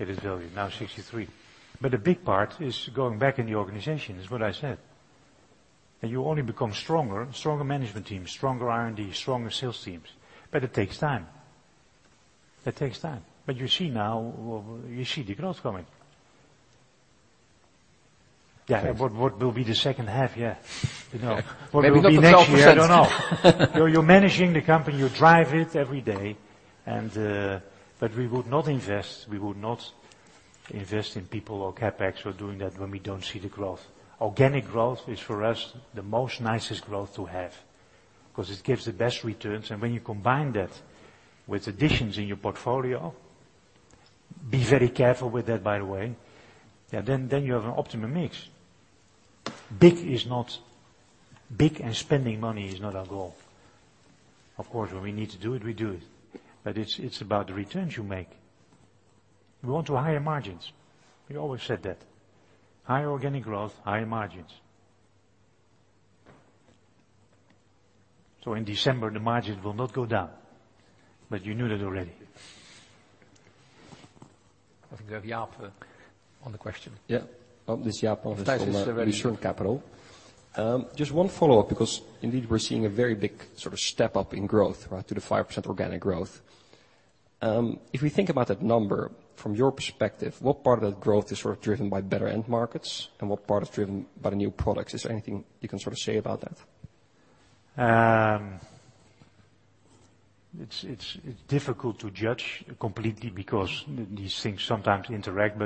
added value, now 63%. A big part is going back in the organization, is what I said. You only become stronger management teams, stronger R&D, stronger sales teams. It takes time. You see now, you see the growth coming. Yeah. What will be the second half? Maybe not the 12%. What will be next year, I don't know. You're managing the company, you drive it every day. We would not invest in people or CapEx or doing that when we don't see the growth. Organic growth is for us the most nicest growth to have, because it gives the best returns. When you combine that with additions in your portfolio, be very careful with that, by the way. You have an optimum mix. Big and spending money is not our goal. Of course, when we need to do it, we do it. It's about the returns you make. We want to higher margins. We always said that. Higher organic growth, higher margins. In December the margins will not go down, you knew that already. I think we have Jaap on the question. Yeah. This is Jaap. [inaudible] Lucerne Capital. One follow-up because indeed we're seeing a very big sort of step-up in growth to the 5% organic growth. If we think about that number from your perspective, what part of that growth is driven by better end markets and what part is driven by the new products? Is there anything you can sort of say about that? It's difficult to judge completely because these things sometimes interact.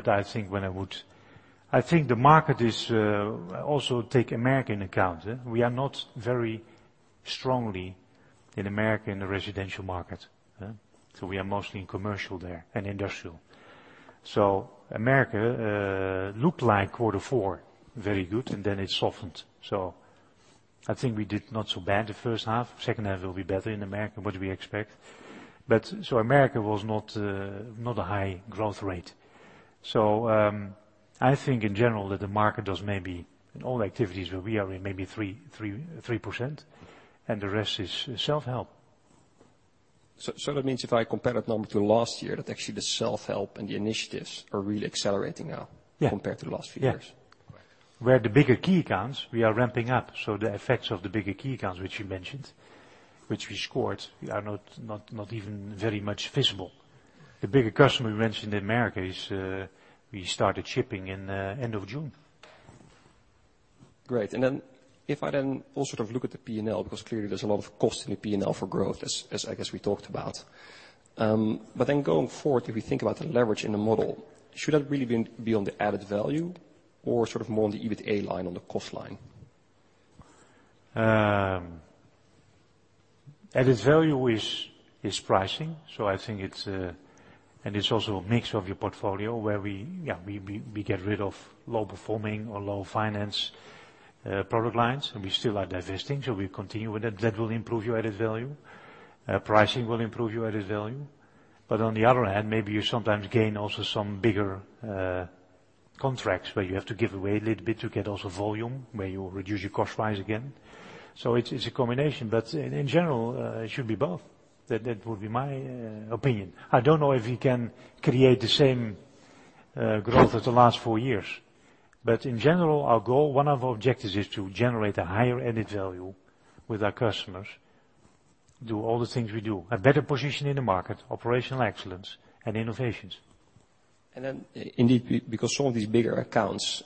I think the market is, also take America into account. We are not very strongly in America in the residential market. We are mostly in commercial there and industrial. America looked like quarter four very good, and then it softened. I think we did not so bad the first half. Second half will be better in America, what we expect. America was not a high growth rate. I think in general that the market does maybe in all activities where we are in maybe 3%, and the rest is self-help. That means if I compare that number to last year, that actually the self-help and the initiatives are really accelerating now. Yeah compared to the last few years. Yeah. All right. Where the bigger key accounts we are ramping up, so the effects of the bigger key accounts, which you mentioned, which we scored, we are not even very much visible. The bigger customer we mentioned in America, we started shipping in end of June. Great. If I then also look at the P&L, because clearly there's a lot of cost in the P&L for growth as I guess we talked about. Going forward, if we think about the leverage in the model, should that really be on the added value or sort of more on the EBITDA line, on the cost line? Added value is pricing. I think it's, and it's also a mix of your portfolio where we get rid of low performing or low finance product lines, and we still are divesting, so we continue with that. That will improve your added value. Pricing will improve your added value. On the other hand, maybe you sometimes gain also some bigger contracts where you have to give away a little bit to get also volume, where you reduce your cost price again. It's a combination, but in general, it should be both. That would be my opinion. I don't know if we can create the same growth as the last four years. In general, our goal, one of our objectives is to generate a higher added value with our customers, do all the things we do, a better position in the market, operational excellence and innovations. Indeed, because some of these bigger accounts,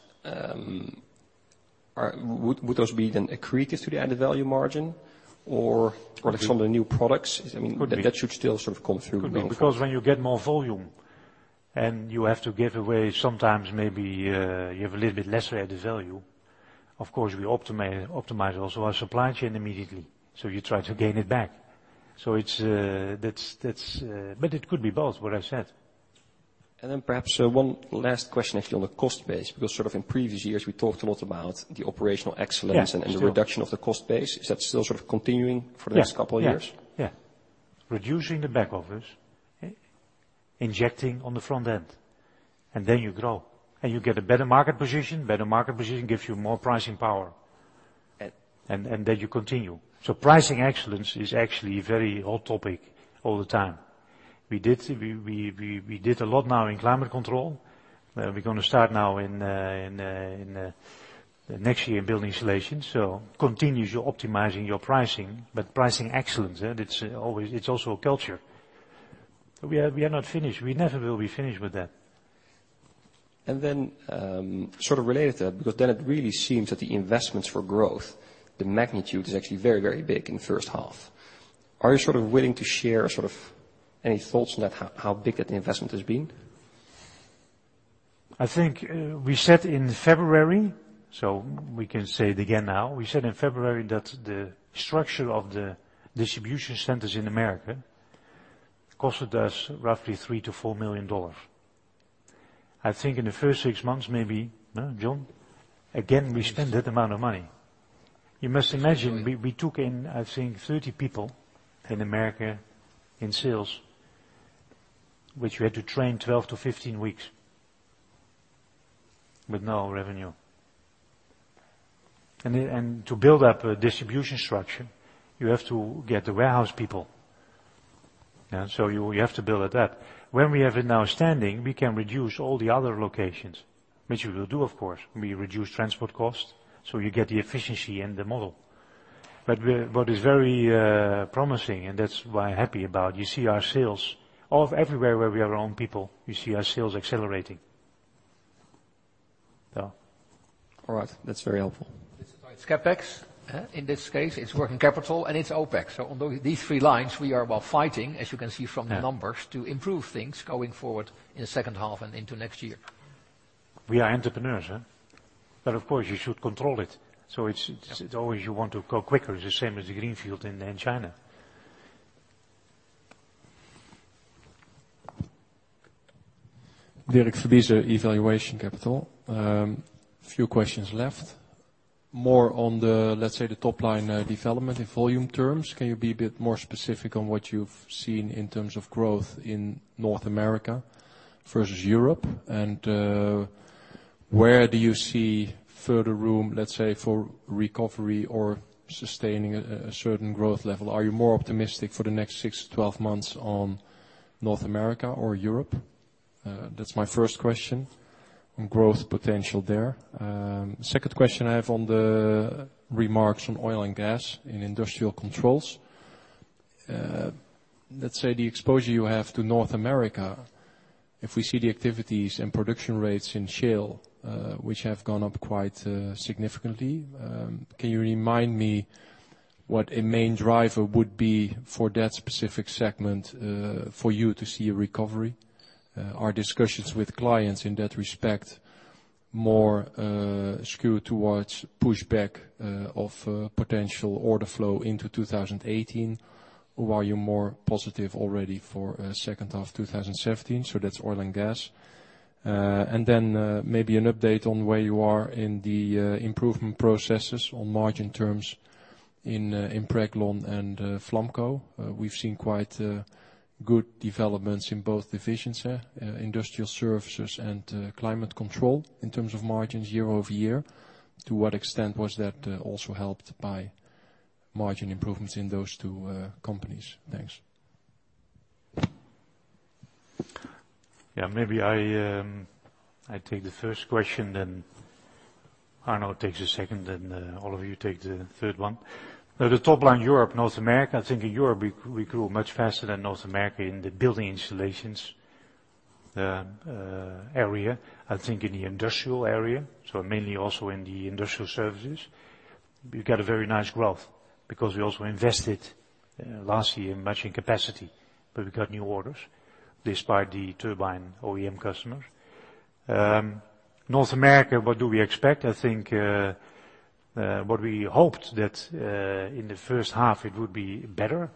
would those be then accretive to the added value margin or some of the new products? Could be. That should still sort of come through going forward. Could be, because when you get more volume and you have to give away sometimes maybe you have a little bit lesser added value, of course, we optimize also our supply chain immediately. You try to gain it back. It could be both, what I said. Perhaps one last question, actually, on the cost base, because sort of in previous years, we talked a lot about the operational excellence. Yeah, still. The reduction of the cost base. Is that still sort of continuing for the next couple of years? Yeah. Reducing the back office, injecting on the front end, and then you grow and you get a better market position. Better market position gives you more pricing power, and then you continue. Pricing excellence is actually a very hot topic all the time. We did a lot now in climate control. We're going to start the next year in building installations, continuous optimizing your pricing, but pricing excellence. It's also a culture. We are not finished. We never will be finished with that. Sort of related to that, because then it really seems that the investments for growth, the magnitude is actually very, very big in the first half. Are you willing to share any thoughts on that, how big that the investment has been? I think we said in February, we can say it again now. We said in February that the structure of the distribution centers in America costed us roughly $3 million-$4 million. I think in the first six months, maybe, John, again, we spent that amount of money. You must imagine we took in, I think, 30 people in America in sales, which we had to train 12-15 weeks with no revenue. To build up a distribution structure, you have to get the warehouse people. You have to build it up. When we have it now standing, we can reduce all the other locations, which we will do, of course. We reduce transport costs, you get the efficiency in the model. What is very promising, that's why I'm happy about, you see our sales of everywhere where we are our own people, you see our sales accelerating. All right. That's very helpful. It's CapEx. In this case, it's working capital and it's OpEx. On these three lines, we are fighting, as you can see from the numbers, to improve things going forward in the second half and into next year. We are entrepreneurs. Of course, you should control it. It's always you want to go quicker, the same as the greenfield in China. Dirk Verbiest, Evaluation Capital. A few questions left. More on the, let's say, the top-line development in volume terms. Can you be a bit more specific on what you've seen in terms of growth in North America versus Europe? Where do you see further room, let's say, for recovery or sustaining a certain growth level? Are you more optimistic for the next six to 12 months on North America or Europe? That's my first question on growth potential there. Second question I have on the remarks on oil and gas in industrial controls. Let's say the exposure you have to North America, if we see the activities and production rates in shale, which have gone up quite significantly, can you remind me what a main driver would be for that specific segment for you to see a recovery? Are discussions with clients in that respect more skewed towards pushback of potential order flow into 2018? Or are you more positive already for second half 2017? That's oil and gas. Maybe an update on where you are in the improvement processes on margin terms in Impreglon and Flamco. We've seen quite good developments in both efficiency, industrial services, and climate control in terms of margins year-over-year. To what extent was that also helped by margin improvements in those two companies? Thanks. Maybe I take the first question, then Arno takes the second, and Oliver, you take the third one. The top line, Europe, North America, I think in Europe, we grew much faster than North America in the building installations area. I think in the industrial area, so mainly also in the Industrial Services, we got a very nice growth because we also invested last year in matching capacity, but we got new orders despite the turbine OEM customers. North America, what do we expect? I think what we hoped that in the first half it would be better.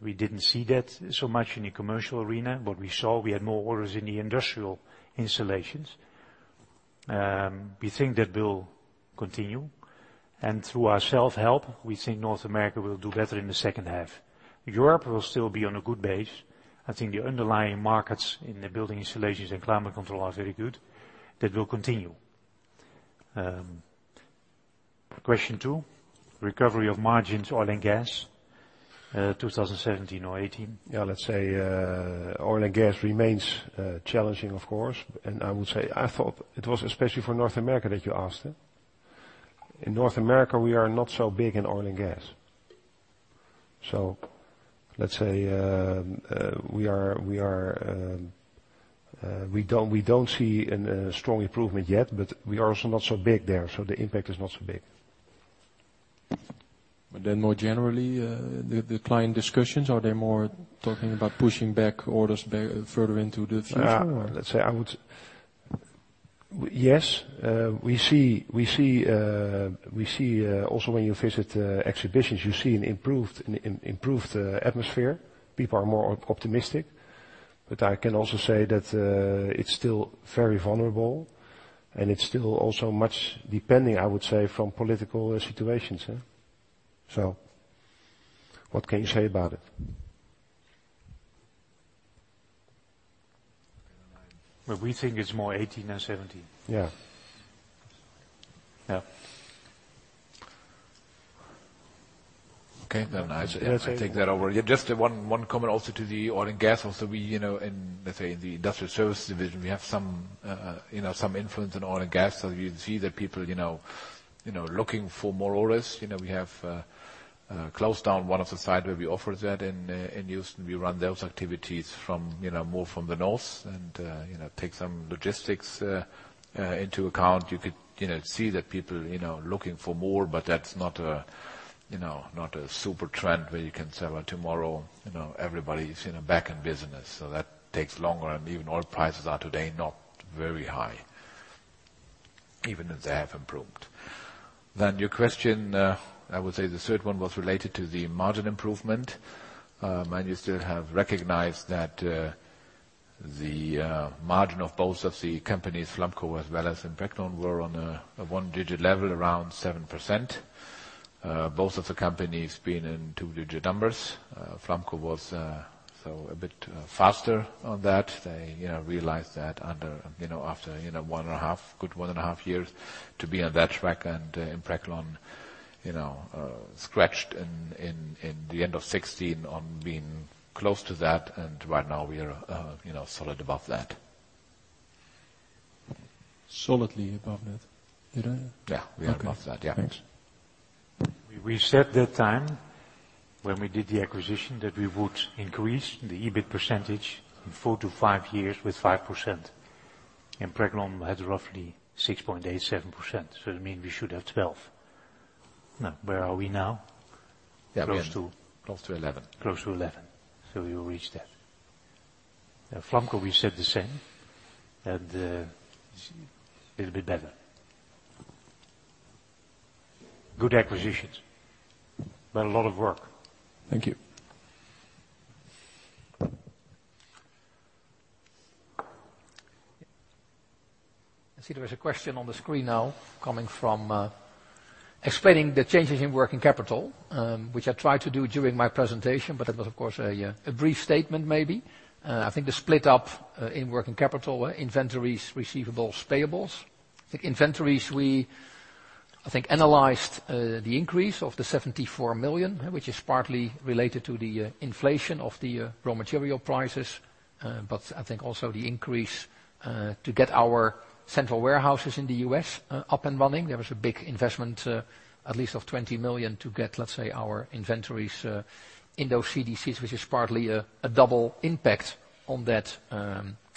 We didn't see that so much in the commercial arena. What we saw, we had more orders in the industrial installations. We think that will continue, and through our self-help, we think North America will do better in the second half. Europe will still be on a good base. I think the underlying markets in the building installations and climate control are very good. That will continue. Question two, recovery of margins, oil and gas, 2017 or 2018. Let's say oil and gas remains challenging, of course. I would say, I thought it was especially for North America that you asked. In North America, we are not so big in oil and gas. Let's say we don't see a strong improvement yet, but we are also not so big there, the impact is not so big. More generally, the client discussions, are they more talking about pushing back orders back further into the future? Let's say, yes. We see also when you visit exhibitions, you see an improved atmosphere. People are more optimistic. I can also say that it's still very vulnerable, and it's still also much depending, I would say, from political situations. What can you say about it? We think it's more 2018 than 2017. Yeah. I take that over. Just one comment also to the oil and gas. Let's say in the Industrial Services division, we have some influence in oil and gas. You see the people looking for more orders. We have closed down one of the sites where we offered that in Houston. We run those activities more from the north and take some logistics into account. You could see that people looking for more, that's not a super trend where you can say, "Well, tomorrow, everybody's back in business." That takes longer. Even oil prices are today not very high, even if they have improved. Your question, I would say the third one was related to the margin improvement. Mind you still have recognized that the margin of both of the companies, Flamco as well as Impreglon, were on a one-digit level around 7%. Both of the companies been in two-digit numbers. Flamco was a bit faster on that. They realized that after a good one and a half years to be on that track and Impreglon scratched in the end of 2016 on being close to that. Right now we are solid above that. Solidly above that. Did I? Yeah. We are above that. Yeah. Okay. Thanks. We set that time when we did the acquisition that we would increase the EBIT percentage in four to five years with 5%. Impreglon had roughly 6.87%. That mean we should have 12. Now, where are we now? Yeah, close to 11. Close to 11. We will reach that. Flamco, we said the same, a little bit better. Good acquisitions, a lot of work. Thank you. I see there is a question on the screen now coming from explaining the changes in working capital, which I tried to do during my presentation, but that was, of course, a brief statement maybe. The split up in working capital were inventories, receivables, payables. Inventories we analyzed the increase of 74 million, which is partly related to the inflation of the raw material prices. I think also the increase to get our central warehouses in the U.S. up and running. There was a big investment at least of 20 million to get, let's say, our inventories in those CDCs, which is partly a double impact on that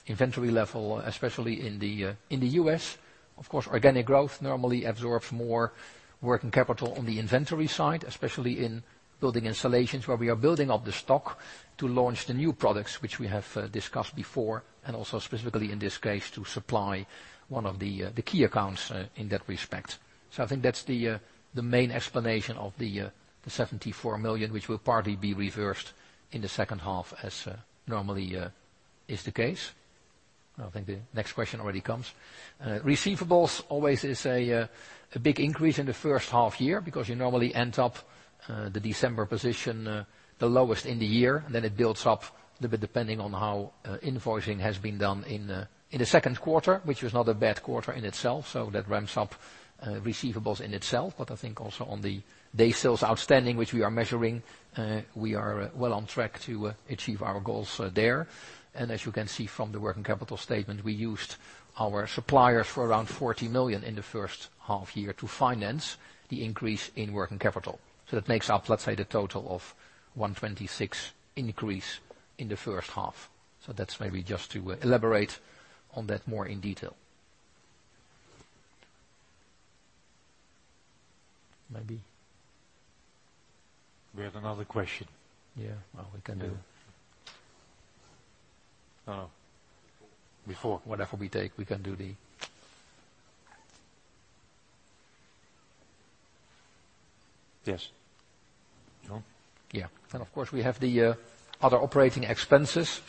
inventory level, especially in the U.S. Of course, organic growth normally absorbs more working capital on the inventory side, especially in building installations where we are building up the stock to launch the new products, which we have discussed before, and also specifically in this case, to supply one of the key accounts in that respect. I think that's the main explanation of 74 million, which will partly be reversed in the second half as normally is the case. I think the next question already comes. Receivables always is a big increase in the first half year because you normally end up the December position the lowest in the year, and then it builds up a little bit depending on how invoicing has been done in the second quarter, which was not a bad quarter in itself. That ramps up receivables in itself. I think also on the day sales outstanding, which we are measuring, we are well on track to achieve our goals there. As you can see from the working capital statement, we used our suppliers for around 40 million in the first half year to finance the increase in working capital. That makes up, let's say, the total of 126 increase in the first half. That's maybe just to elaborate on that more in detail. Maybe. We have another question. Yeah. Well, we can do No, before. Whatever we take, we can do the Yes. No? Yeah. Of course, we have the other operating expenses,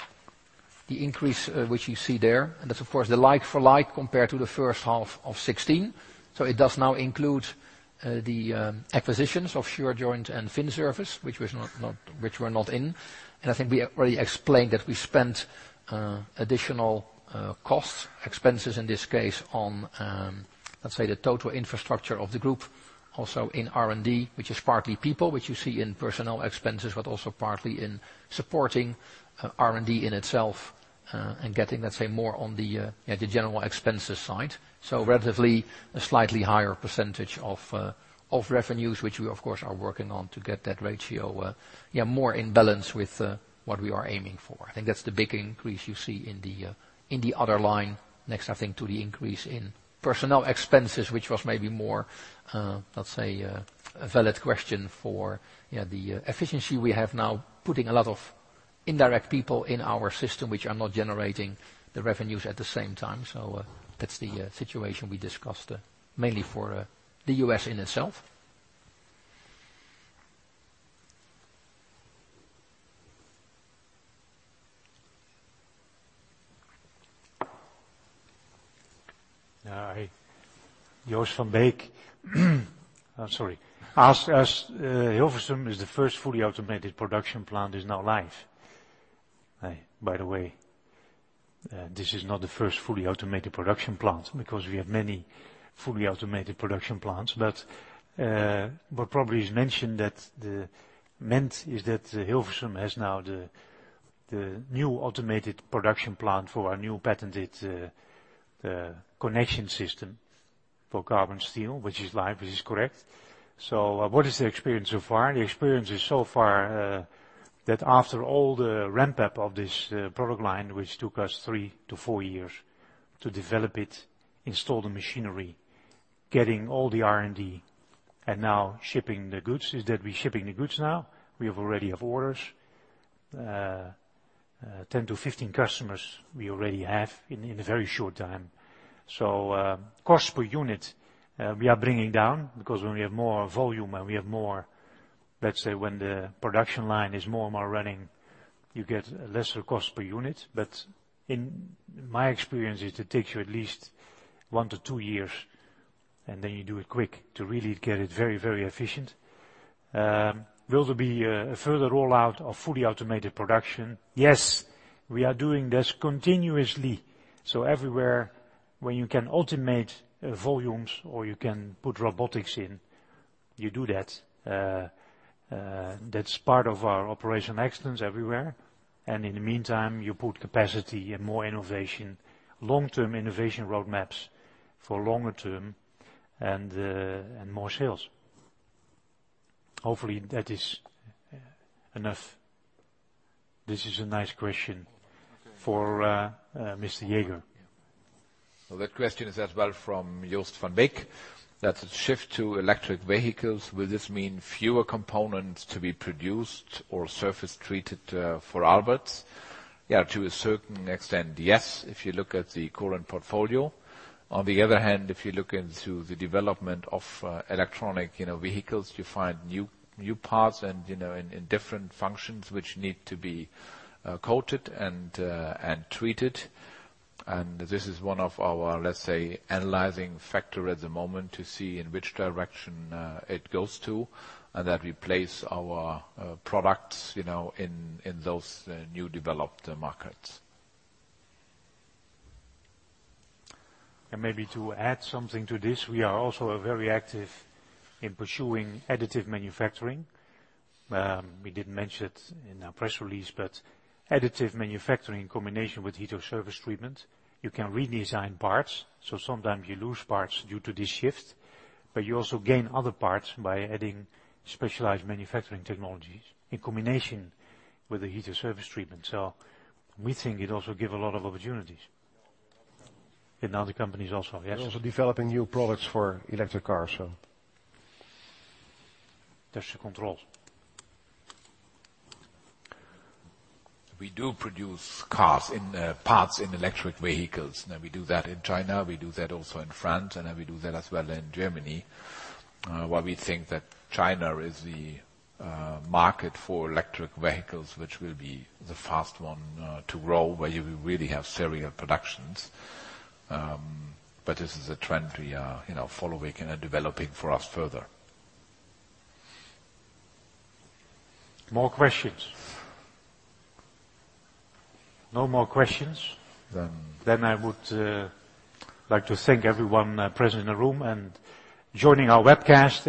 the increase which you see there. That's, of course, the like-for-like compared to the first half of 2016. It does now include the acquisitions of Shurjoint and Vin Service, which were not in. I think we already explained that we spent additional costs, expenses in this case on, let's say, the total infrastructure of the group, also in R&D, which is partly people, which you see in personnel expenses, but also partly in supporting R&D in itself, and getting, let's say, more on the general expenses side. Relatively, a slightly higher % of revenues, which we of course, are working on to get that ratio more in balance with what we are aiming for. I think that's the big increase you see in the other line next, I think, to the increase in personnel expenses, which was maybe more, let's say, a valid question for the efficiency we have now, putting a lot of indirect people in our system, which are not generating the revenues at the same time. That's the situation we discussed, mainly for the U.S. in itself. Jos van Beek. Sorry. As Hilversum is the first fully automated production plant is now live By the way, this is not the first fully automated production plant, because we have many fully automated production plants. What probably is meant is that Hilversum has now the new automated production plant for our new patented connection system for carbon steel, which is live. This is correct. What is the experience so far? The experience is so far that after all the ramp-up of this product line, which took us three to four years to develop it, install the machinery, getting all the R&D and now shipping the goods, is that we're shipping the goods now. We already have orders. 10 to 15 customers we already have in a very short time. Cost per unit, we are bringing down because when we have more volume and we have more, let's say, when the production line is more and more running, you get lesser cost per unit. In my experience, it takes you at least 1 to 2 years, and then you do it quick to really get it very efficient. Will there be a further rollout of fully automated production? Yes, we are doing this continuously. Everywhere when you can automate volumes or you can put robotics in, you do that. That's part of our operational excellence everywhere. In the meantime, you put capacity and more innovation, long-term innovation roadmaps for longer term and more sales. Hopefully that is enough. This is a nice question for Mr. Jäger. That question is as well from Jos van Beek. That shift to electric vehicles, will this mean fewer components to be produced or surface treated for Aalberts? To a certain extent, yes. On the other hand, if you look into the development of electric vehicles, you find new parts and in different functions which need to be coated and treated. This is one of our, let's say, analyzing factor at the moment to see in which direction it goes to, and that we place our products in those new developed markets. Maybe to add something to this, we are also very active in pursuing additive manufacturing. We didn't mention it in our press release, but additive manufacturing in combination with heat or surface treatment, you can redesign parts. Sometimes you lose parts due to this shift, but you also gain other parts by adding specialized manufacturing technologies in combination with the heat or surface treatment. We think it also give a lot of opportunities. In other companies also. Yes. We are also developing new products for electric cars. That's the controls. We do produce cars in parts in electric vehicles, and we do that in China, we do that also in France, and we do that as well in Germany. While we think that China is the market for electric vehicles, which will be the fast one to grow, where you really have serial productions. This is a trend we are following and developing for us further. More questions? No more questions? Then I would like to thank everyone present in the room and joining our webcast.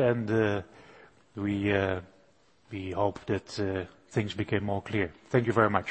We hope that things became more clear. Thank you very much